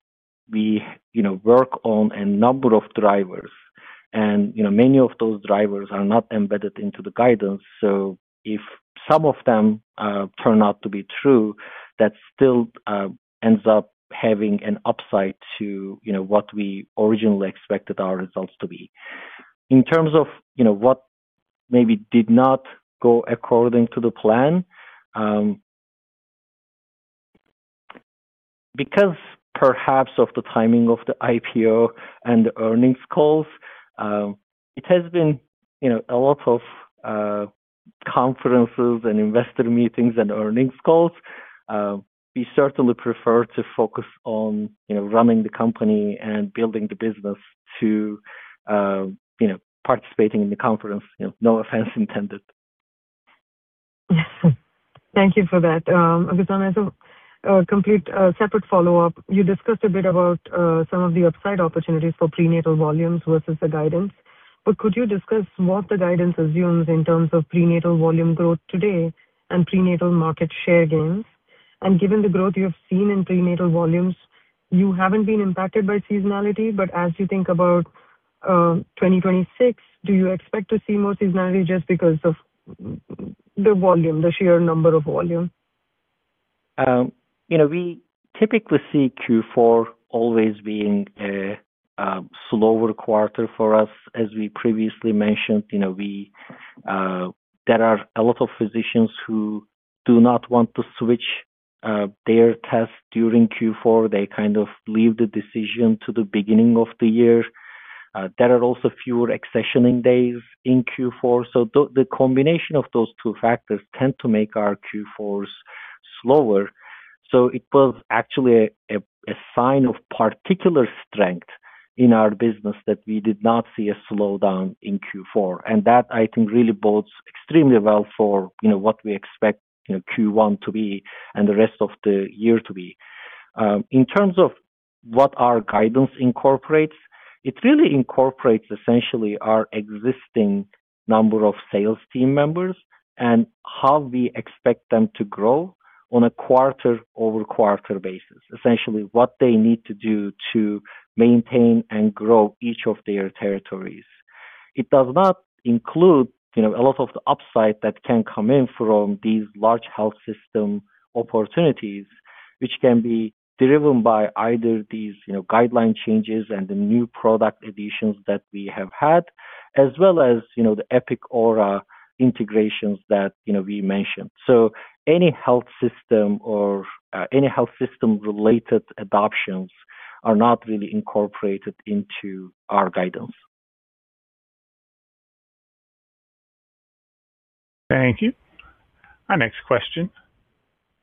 we, you know, work on a number of drivers and, you know, many of those drivers are not embedded into the guidance. If some of them turn out to be true, that still ends up having an upside to, you know, what we originally expected our results to be. In terms of, you know, what maybe did not go according to the plan, because perhaps of the timing of the IPO and the earnings calls, it has been, you know, a lot of conferences and investor meetings and earnings calls. We certainly prefer to focus on, you know, running the company and building the business to, you know, participating in the conference. You know, no offense intended. Thank you for that. Oguzhan, as a complete, separate follow-up, you discussed a bit about some of the upside opportunities for prenatal volumes versus the guidance. Could you discuss what the guidance assumes in terms of prenatal volume growth today and prenatal market share gains? Given the growth you have seen in prenatal volumes, you haven't been impacted by seasonality, but as you think about, 2026, do you expect to see more seasonality just because of the sheer number of volume? You know, we typically see Q4 always being a slower quarter for us. As we previously mentioned, you know, there are a lot of physicians who do not want to switch their test during Q4. They kind of leave the decision to the beginning of the year. There are also fewer accessioning days in Q4. The combination of those two factors tend to make our Q4s slower. It was actually a sign of particular strength in our business that we did not see a slowdown in Q4. That I think really bodes extremely well for, you know, what we expect, you know, Q1 to be and the rest of the year to be. In terms of what our guidance incorporates, it really incorporates essentially our existing number of sales team members and how we expect them to grow on a quarter-over-quarter basis. Essentially, what they need to do to maintain and grow each of their territories. It does not include, you know, a lot of the upside that can come in from these large health system opportunities, which can be driven by either these, you know, guideline changes and the new product additions that we have had, as well as, you know, the Epic Aura integrations that, you know, we mentioned. Any health system or any health system-related adoptions are not really incorporated into our guidance. Thank you. Our next question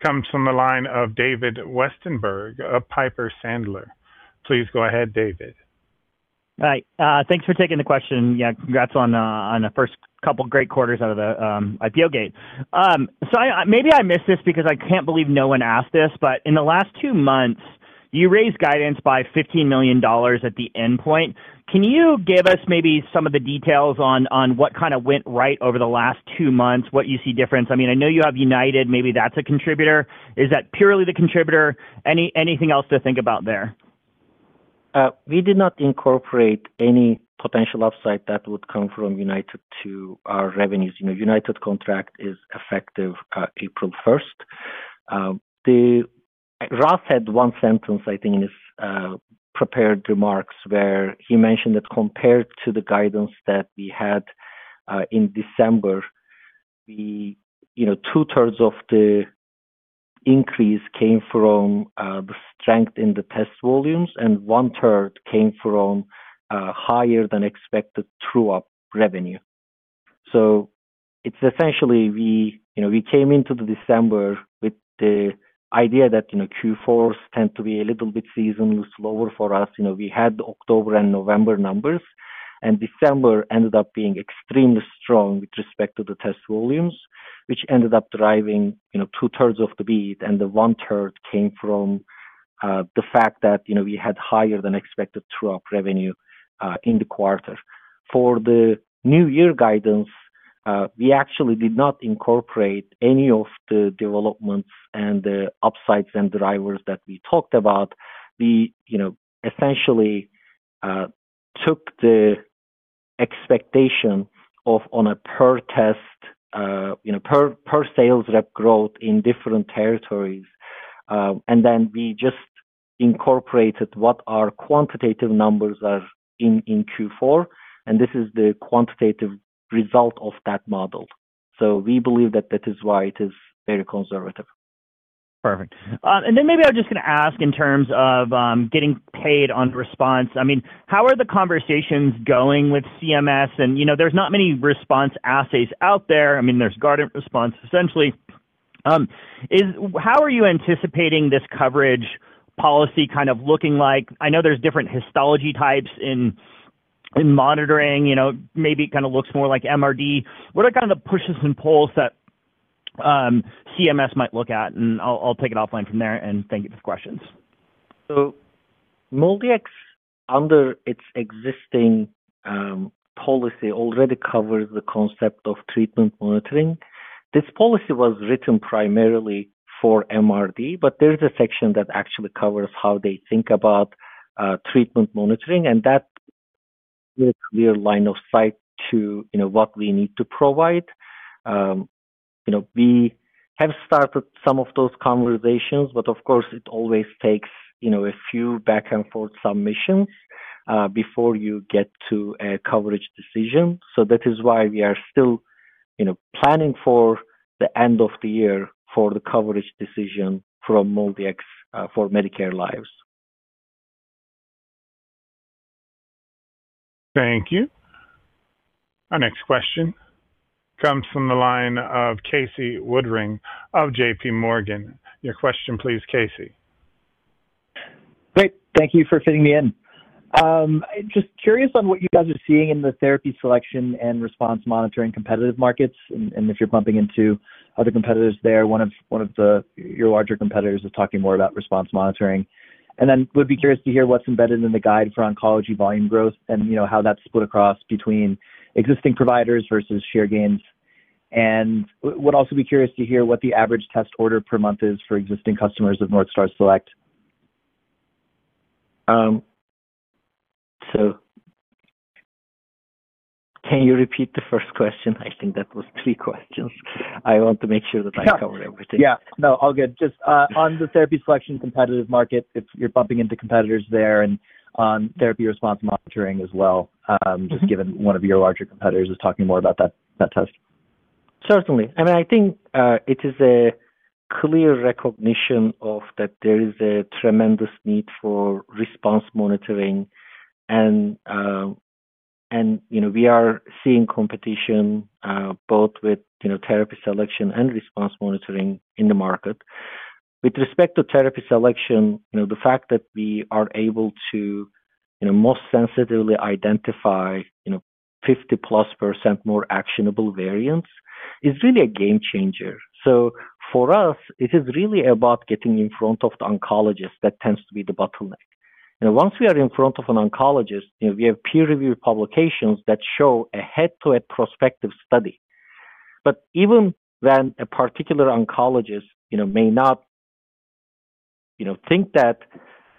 comes from the line of David Westenberg of Piper Sandler. Please go ahead, David. Hi. Thanks for taking the question. Yeah, congrats on the first couple great quarters out of the IPO gate. I maybe I missed this because I can't believe no one asked this. In the last two months, you raised guidance by $15 million at the endpoint. Can you give us maybe some of the details on what kind of went right over the last two months, what you see difference? I mean, I know you have United, maybe that's a contributor. Is that purely the contributor? Anything else to think about there? We did not incorporate any potential upside that would come from United to our revenues. You know, United contract is effective April 1st. Ross had one sentence, I think, in his prepared remarks, where he mentioned that compared to the guidance that we had in December, we, you know, 2/3 of the increase came from the strength in the test volumes, and 1/3 came from higher than expected true-up revenue. It's essentially we, you know, we came into the December with the idea that, you know, Q4s tend to be a little bit seasonally slower for us. You know, we had October and November numbers. December ended up being extremely strong with respect to the test volumes, which ended up driving, you know, 2/3 of the beat, and the 1/3 came from the fact that, you know, we had higher than expected true-up revenue in the quarter. For the new year guidance, we actually did not incorporate any of the developments and the upsides and drivers that we talked about. We, you know, essentially, took the expectation of on a per test, you know, per sales rep growth in different territories. We just incorporated what our quantitative numbers are in Q4. This is the quantitative result of that model. We believe that that is why it is very conservative. Perfect. Then maybe I'm just gonna ask in terms of getting paid on response. I mean, how are the conversations going with CMS? You know, there's not many response assays out there. I mean, there's Guardant Response essentially. How are you anticipating this coverage policy kind of looking like? I know there's different histology types in monitoring, you know, maybe it kind of looks more like MRD. What are kind of the pushes and pulls that CMS might look at? I'll take it offline from there, and thank you for the questions. MolDX, under its existing policy, already covers the concept of treatment monitoring. This policy was written primarily for MRD, but there is a section that actually covers how they think about treatment monitoring, and that clear line of sight to, you know, what we need to provide. You know, we have started some of those conversations, but of course, it always takes, you know, a few back-and-forth submissions before you get to a coverage decision. That is why we are still, you know, planning for the end of the year for the coverage decision from MolDX for Medicare lives. Thank you. Our next question comes from the line of Casey Woodring of JPMorgan. Your question, please, Casey. Great. Thank you for fitting me in. Just curious on what you guys are seeing in the therapy selection and response monitoring competitive markets, and if you're bumping into other competitors there. One of your larger competitors is talking more about response monitoring. would be curious to hear what's embedded in the guide for oncology volume growth and, you know, how that's split across between existing providers versus share gains. would also be curious to hear what the average test order per month is for existing customers of Northstar Select. Can you repeat the first question? I think that was three questions. I want to make sure that I cover everything. Yeah. No, all good. Just on the therapy selection competitive market, if you're bumping into competitors there and on therapy response monitoring as well, just given one of your larger competitors is talking more about that test. Certainly. I mean, I think, it is a clear recognition of that there is a tremendous need for response monitoring. You know, we are seeing competition, both with, you know, therapy selection and response monitoring in the market. With respect to therapy selection, you know, the fact that we are able to, you know, most sensitively identify, you know, 50%+ more actionable variants is really a game-changer. For us, it is really about getting in front of the oncologist that tends to be the bottleneck. You know, once we are in front of an oncologist, you know, we have peer-reviewed publications that show a head-to-head prospective study. Even when a particular oncologist, you know, may not, you know, think that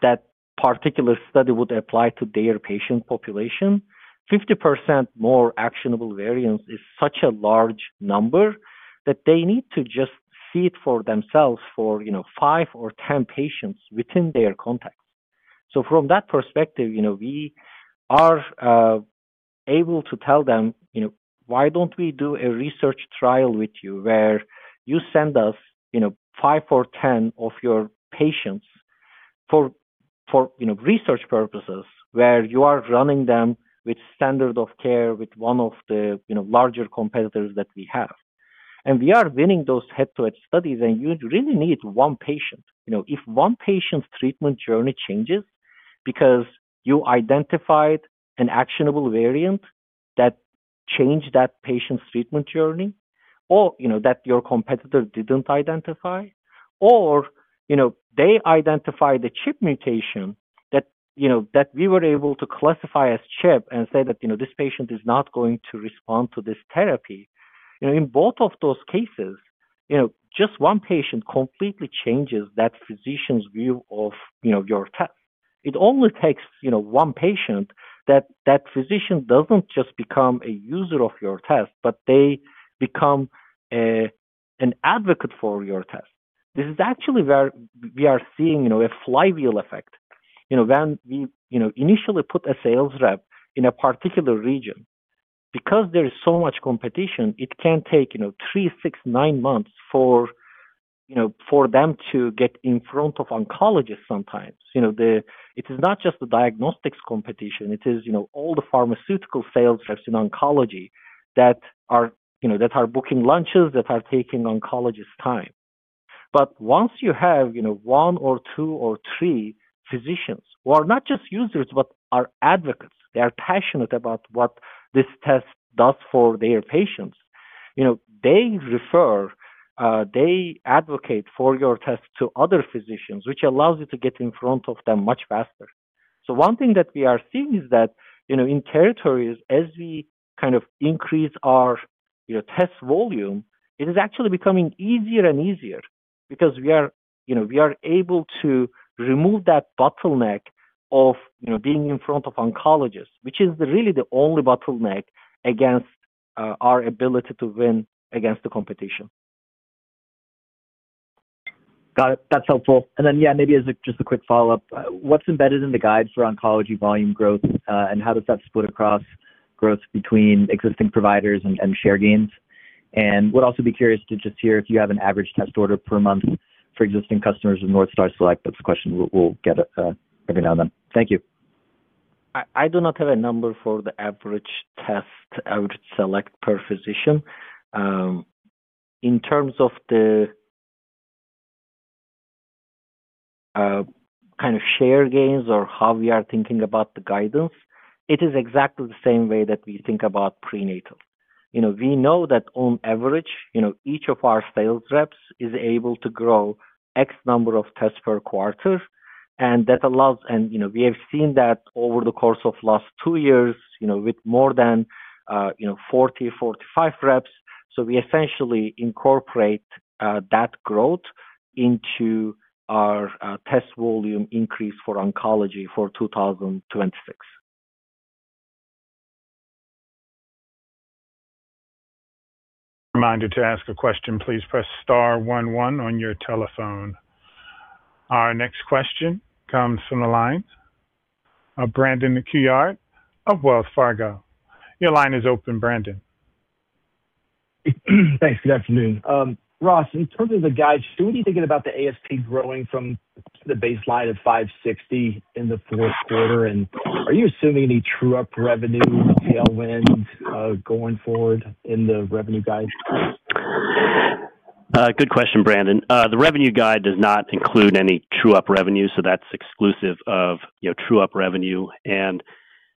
that particular study would apply to their patient population, 50% more actionable variants is such a large number that they need to just see it for themselves for, you know, five or 10 patients within their context. From that perspective, you know, we are able to tell them, you know, why don't we do a research trial with you where you send us, you know, five or 10 of your patients for, you know, research purposes where you are running them with standard of care with one of the, you know, larger competitors that we have? We are winning those head-to-head studies, and you really need one patient. You know, if one patient's treatment journey changes because you identified an actionable variant that changed that patient's treatment journey or, you know, that your competitor didn't identify or, you know, they identify the CHIP mutation that, you know, that we were able to classify as CHIP and say that, you know, this patient is not going to respond to this therapy. You know, in both of those cases, you know, just one patient completely changes that physician's view of, you know, your test. It only takes, you know, one patient that that physician doesn't just become a user of your test, but they become an advocate for your test. This is actually where we are seeing, you know, a flywheel effect. You know, when we, you know, initially put a sales rep in a particular region, because there is so much competition, it can take, you know, three, six, nine months for, you know, for them to get in front of oncologists sometimes. It is not just the diagnostics competition. It is, you know, all the pharmaceutical sales reps in oncology that are, you know, that are booking lunches, that are taking oncologists' time. Once you have, you know, one or two or three physicians who are not just users but are advocates, they are passionate about what this test does for their patients. You know, they refer, they advocate for your test to other physicians, which allows you to get in front of them much faster. One thing that we are seeing is that, you know, in territories, as we kind of increase our, you know, test volume, it is actually becoming easier and easier because, you know, we are able to remove that bottleneck of, you know, being in front of oncologists, which is really the only bottleneck against our ability to win against the competition. Got it. That's helpful. Then, yeah, maybe as just a quick follow-up, what's embedded in the guides for oncology volume growth, and how does that split across growth between existing providers and share gains? Would also be curious to just hear if you have an average test order per month for existing customers in Northstar Select. That's a question we'll get every now and then. Thank you. I do not have a number for the average test I would select per physician. In terms of the kind of share gains or how we are thinking about the guidance, it is exactly the same way that we think about prenatal. You know, we know that on average, you know, each of our sales reps is able to grow X number of tests per quarter, and that allows, you know, we have seen that over the course of last two years, you know, with more than 40, 45 reps. We essentially incorporate that growth into our test volume increase for oncology for 2026. Reminder to ask a question, please press star one one on your telephone. Our next question comes from the lines of Brandon Couillard of Wells Fargo. Your line is open, Brandon. Thanks. Good afternoon. Ross, in terms of the guide, should we be thinking about the ASP growing from the baseline of $560 in the fourth quarter? Are you assuming any true-up revenue or tailwinds going forward in the revenue guide? Good question, Brandon. The revenue guide does not include any true-up revenue, so that's exclusive of, you know, true-up revenue.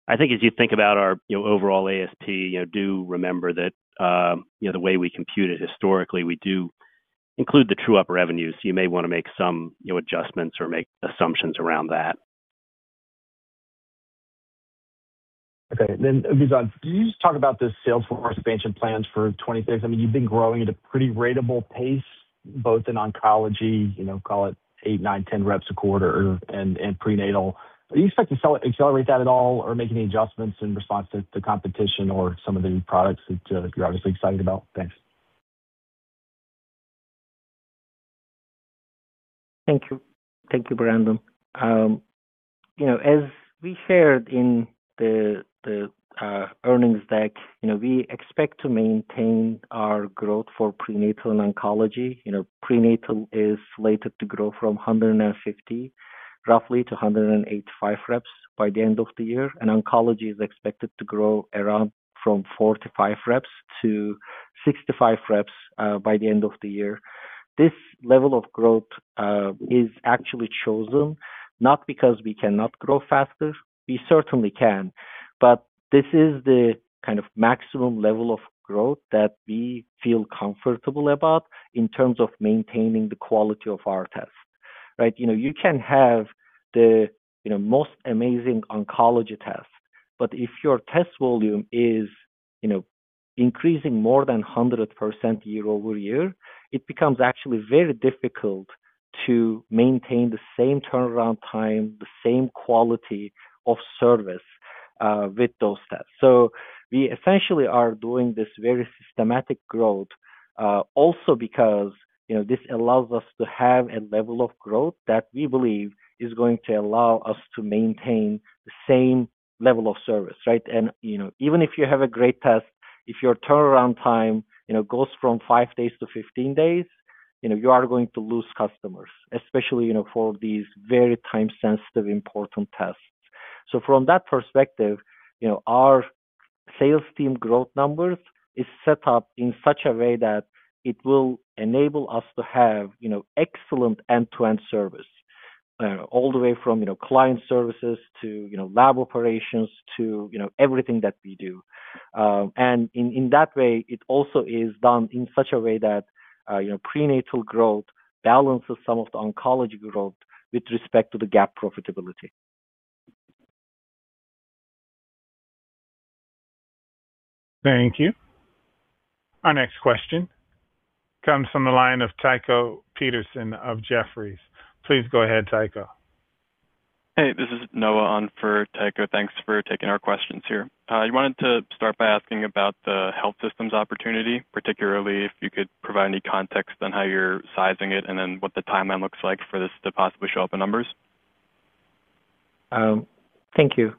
I think as you think about our, you know, overall ASP, you know, do remember that, you know, the way we compute it historically, we do include the true-up revenue. You may wanna make some, you know, adjustments or make assumptions around that. Okay, Oguzhan, can you just talk about the sales force expansion plans for 2026? I mean, you've been growing at a pretty ratable pace, both in oncology, you know, call it 8, 9, 10 reps a quarter and prenatal. Do you expect to accelerate that at all or make any adjustments in response to competition or some of the products that you're obviously excited about? Thanks. Thank you, Brandon. You know, as we shared in the earnings deck, you know, we expect to maintain our growth for prenatal and oncology. You know, prenatal is slated to grow from 150 roughly to 185 reps by the end of the year. Oncology is expected to grow around from 45 reps to 65 reps by the end of the year. This level of growth is actually chosen not because we cannot grow faster, we certainly can. This is the kind of maximum level of growth that we feel comfortable about in terms of maintaining the quality of our tests, right? You know, you can have the, you know, most amazing oncology test, but if your test volume is, you know, increasing more than 100% year-over-year, it becomes actually very difficult to maintain the same turnaround time, the same quality of service with those tests. We essentially are doing this very systematic growth, also because, you know, this allows us to have a level of growth that we believe is going to allow us to maintain the same level of service, right? You know, even if you have a great test, if your turnaround time, you know, goes from five days to 15 days, you know, you are going to lose customers, especially, you know, for these very time-sensitive, important tests. From that perspective, you know, our sales team growth numbers is set up in such a way that it will enable us to have, you know, excellent end-to-end service, all the way from, you know, client services to, you know, lab operations to, you know, everything that we do. In that way, it also is done in such a way that, you know, prenatal growth balances some of the oncology growth with respect to the GAAP profitability. Thank you. Our next question comes from the line of Tycho Peterson of Jefferies. Please go ahead, Tycho. Hey, this is Noah on for Tycho. Thanks for taking our questions here. I wanted to start by asking about the health systems opportunity, particularly if you could provide any context on how you're sizing it and then what the timeline looks like for this to possibly show up in numbers? Thank you.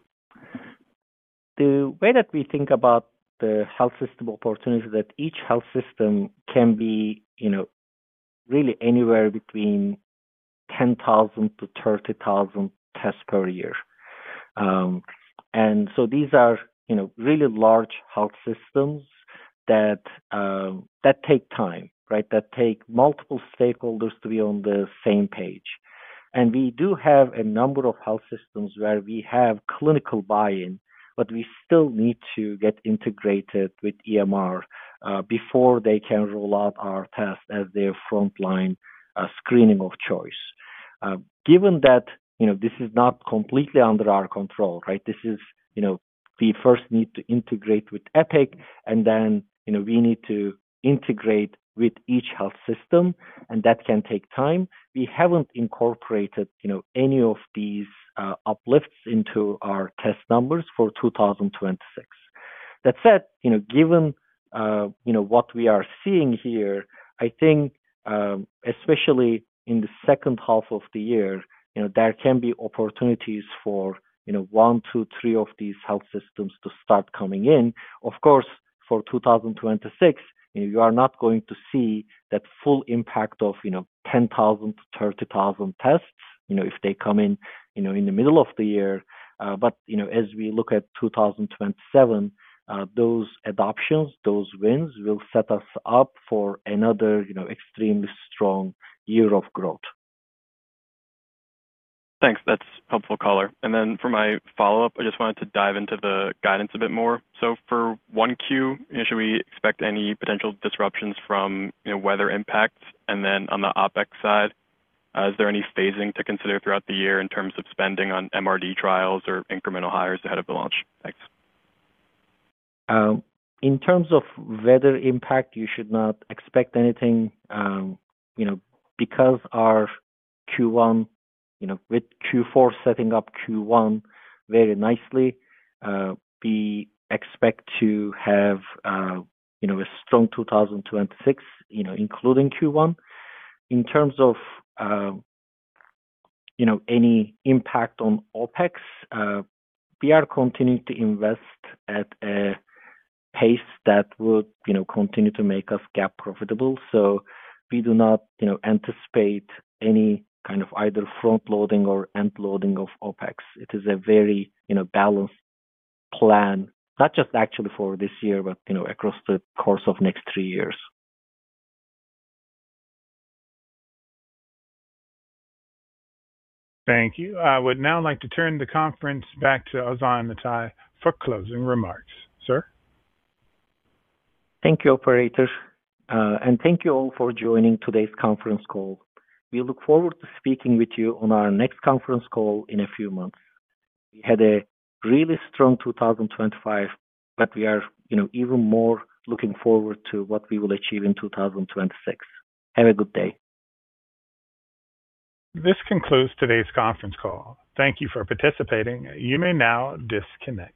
The way that we think about the health system opportunity is that each health system can be, you know, really anywhere between 10,000-30,000 tests per year. These are, you know, really large health systems that take time, that take multiple stakeholders to be on the same page. We do have a number of health systems where we have clinical buy-in, but we still need to get integrated with EMR before they can roll out our test as their frontline screening of choice. Given that, you know, this is not completely under our control, right? This is, you know, we first need to integrate with Epic, and then, you know, we need to integrate with each health system, and that can take time. We haven't incorporated, you know, any of these uplifts into our test numbers for 2026. That said, you know, given, you know, what we are seeing here, I think, especially in the second half of the year, you know, there can be opportunities for, you know, one to three of these health systems to start coming in. Of course, for 2026, you are not going to see that full impact of, you know, 10,000-30,000 tests, you know, if they come in, you know, in the middle of the year. But, you know, as we look at 2027, those adoptions, those wins will set us up for another, you know, extremely strong year of growth. Thanks. That's helpful color. For my follow-up, I just wanted to dive into the guidance a bit more. For 1Q, should we expect any potential disruptions from, you know, weather impacts? On the OpEx side, is there any phasing to consider throughout the year in terms of spending on MRD trials or incremental hires ahead of the launch? Thanks. In terms of weather impact, you should not expect anything, you know, because our Q1, you know, with Q4 setting up Q1 very nicely, we expect to have, you know, a strong 2026, you know, including Q1. In terms of, you know, any impact on OpEx, we are continuing to invest at a pace that would, you know, continue to make us GAAP profitable. We do not, you know, anticipate any kind of either front-loading or end loading of OpEx. It is a very, you know, balanced plan, not just actually for this year, but you know, across the course of next three years. Thank you. I would now like to turn the conference back to Ozan Atay for closing remarks. Sir. Thank you, Operator. Thank you all for joining today's conference call. We look forward to speaking with you on our next conference call in a few months. We had a really strong 2025, but we are, you know, even more looking forward to what we will achieve in 2026. Have a good day. This concludes today's conference call. Thank you for participating. You may now disconnect.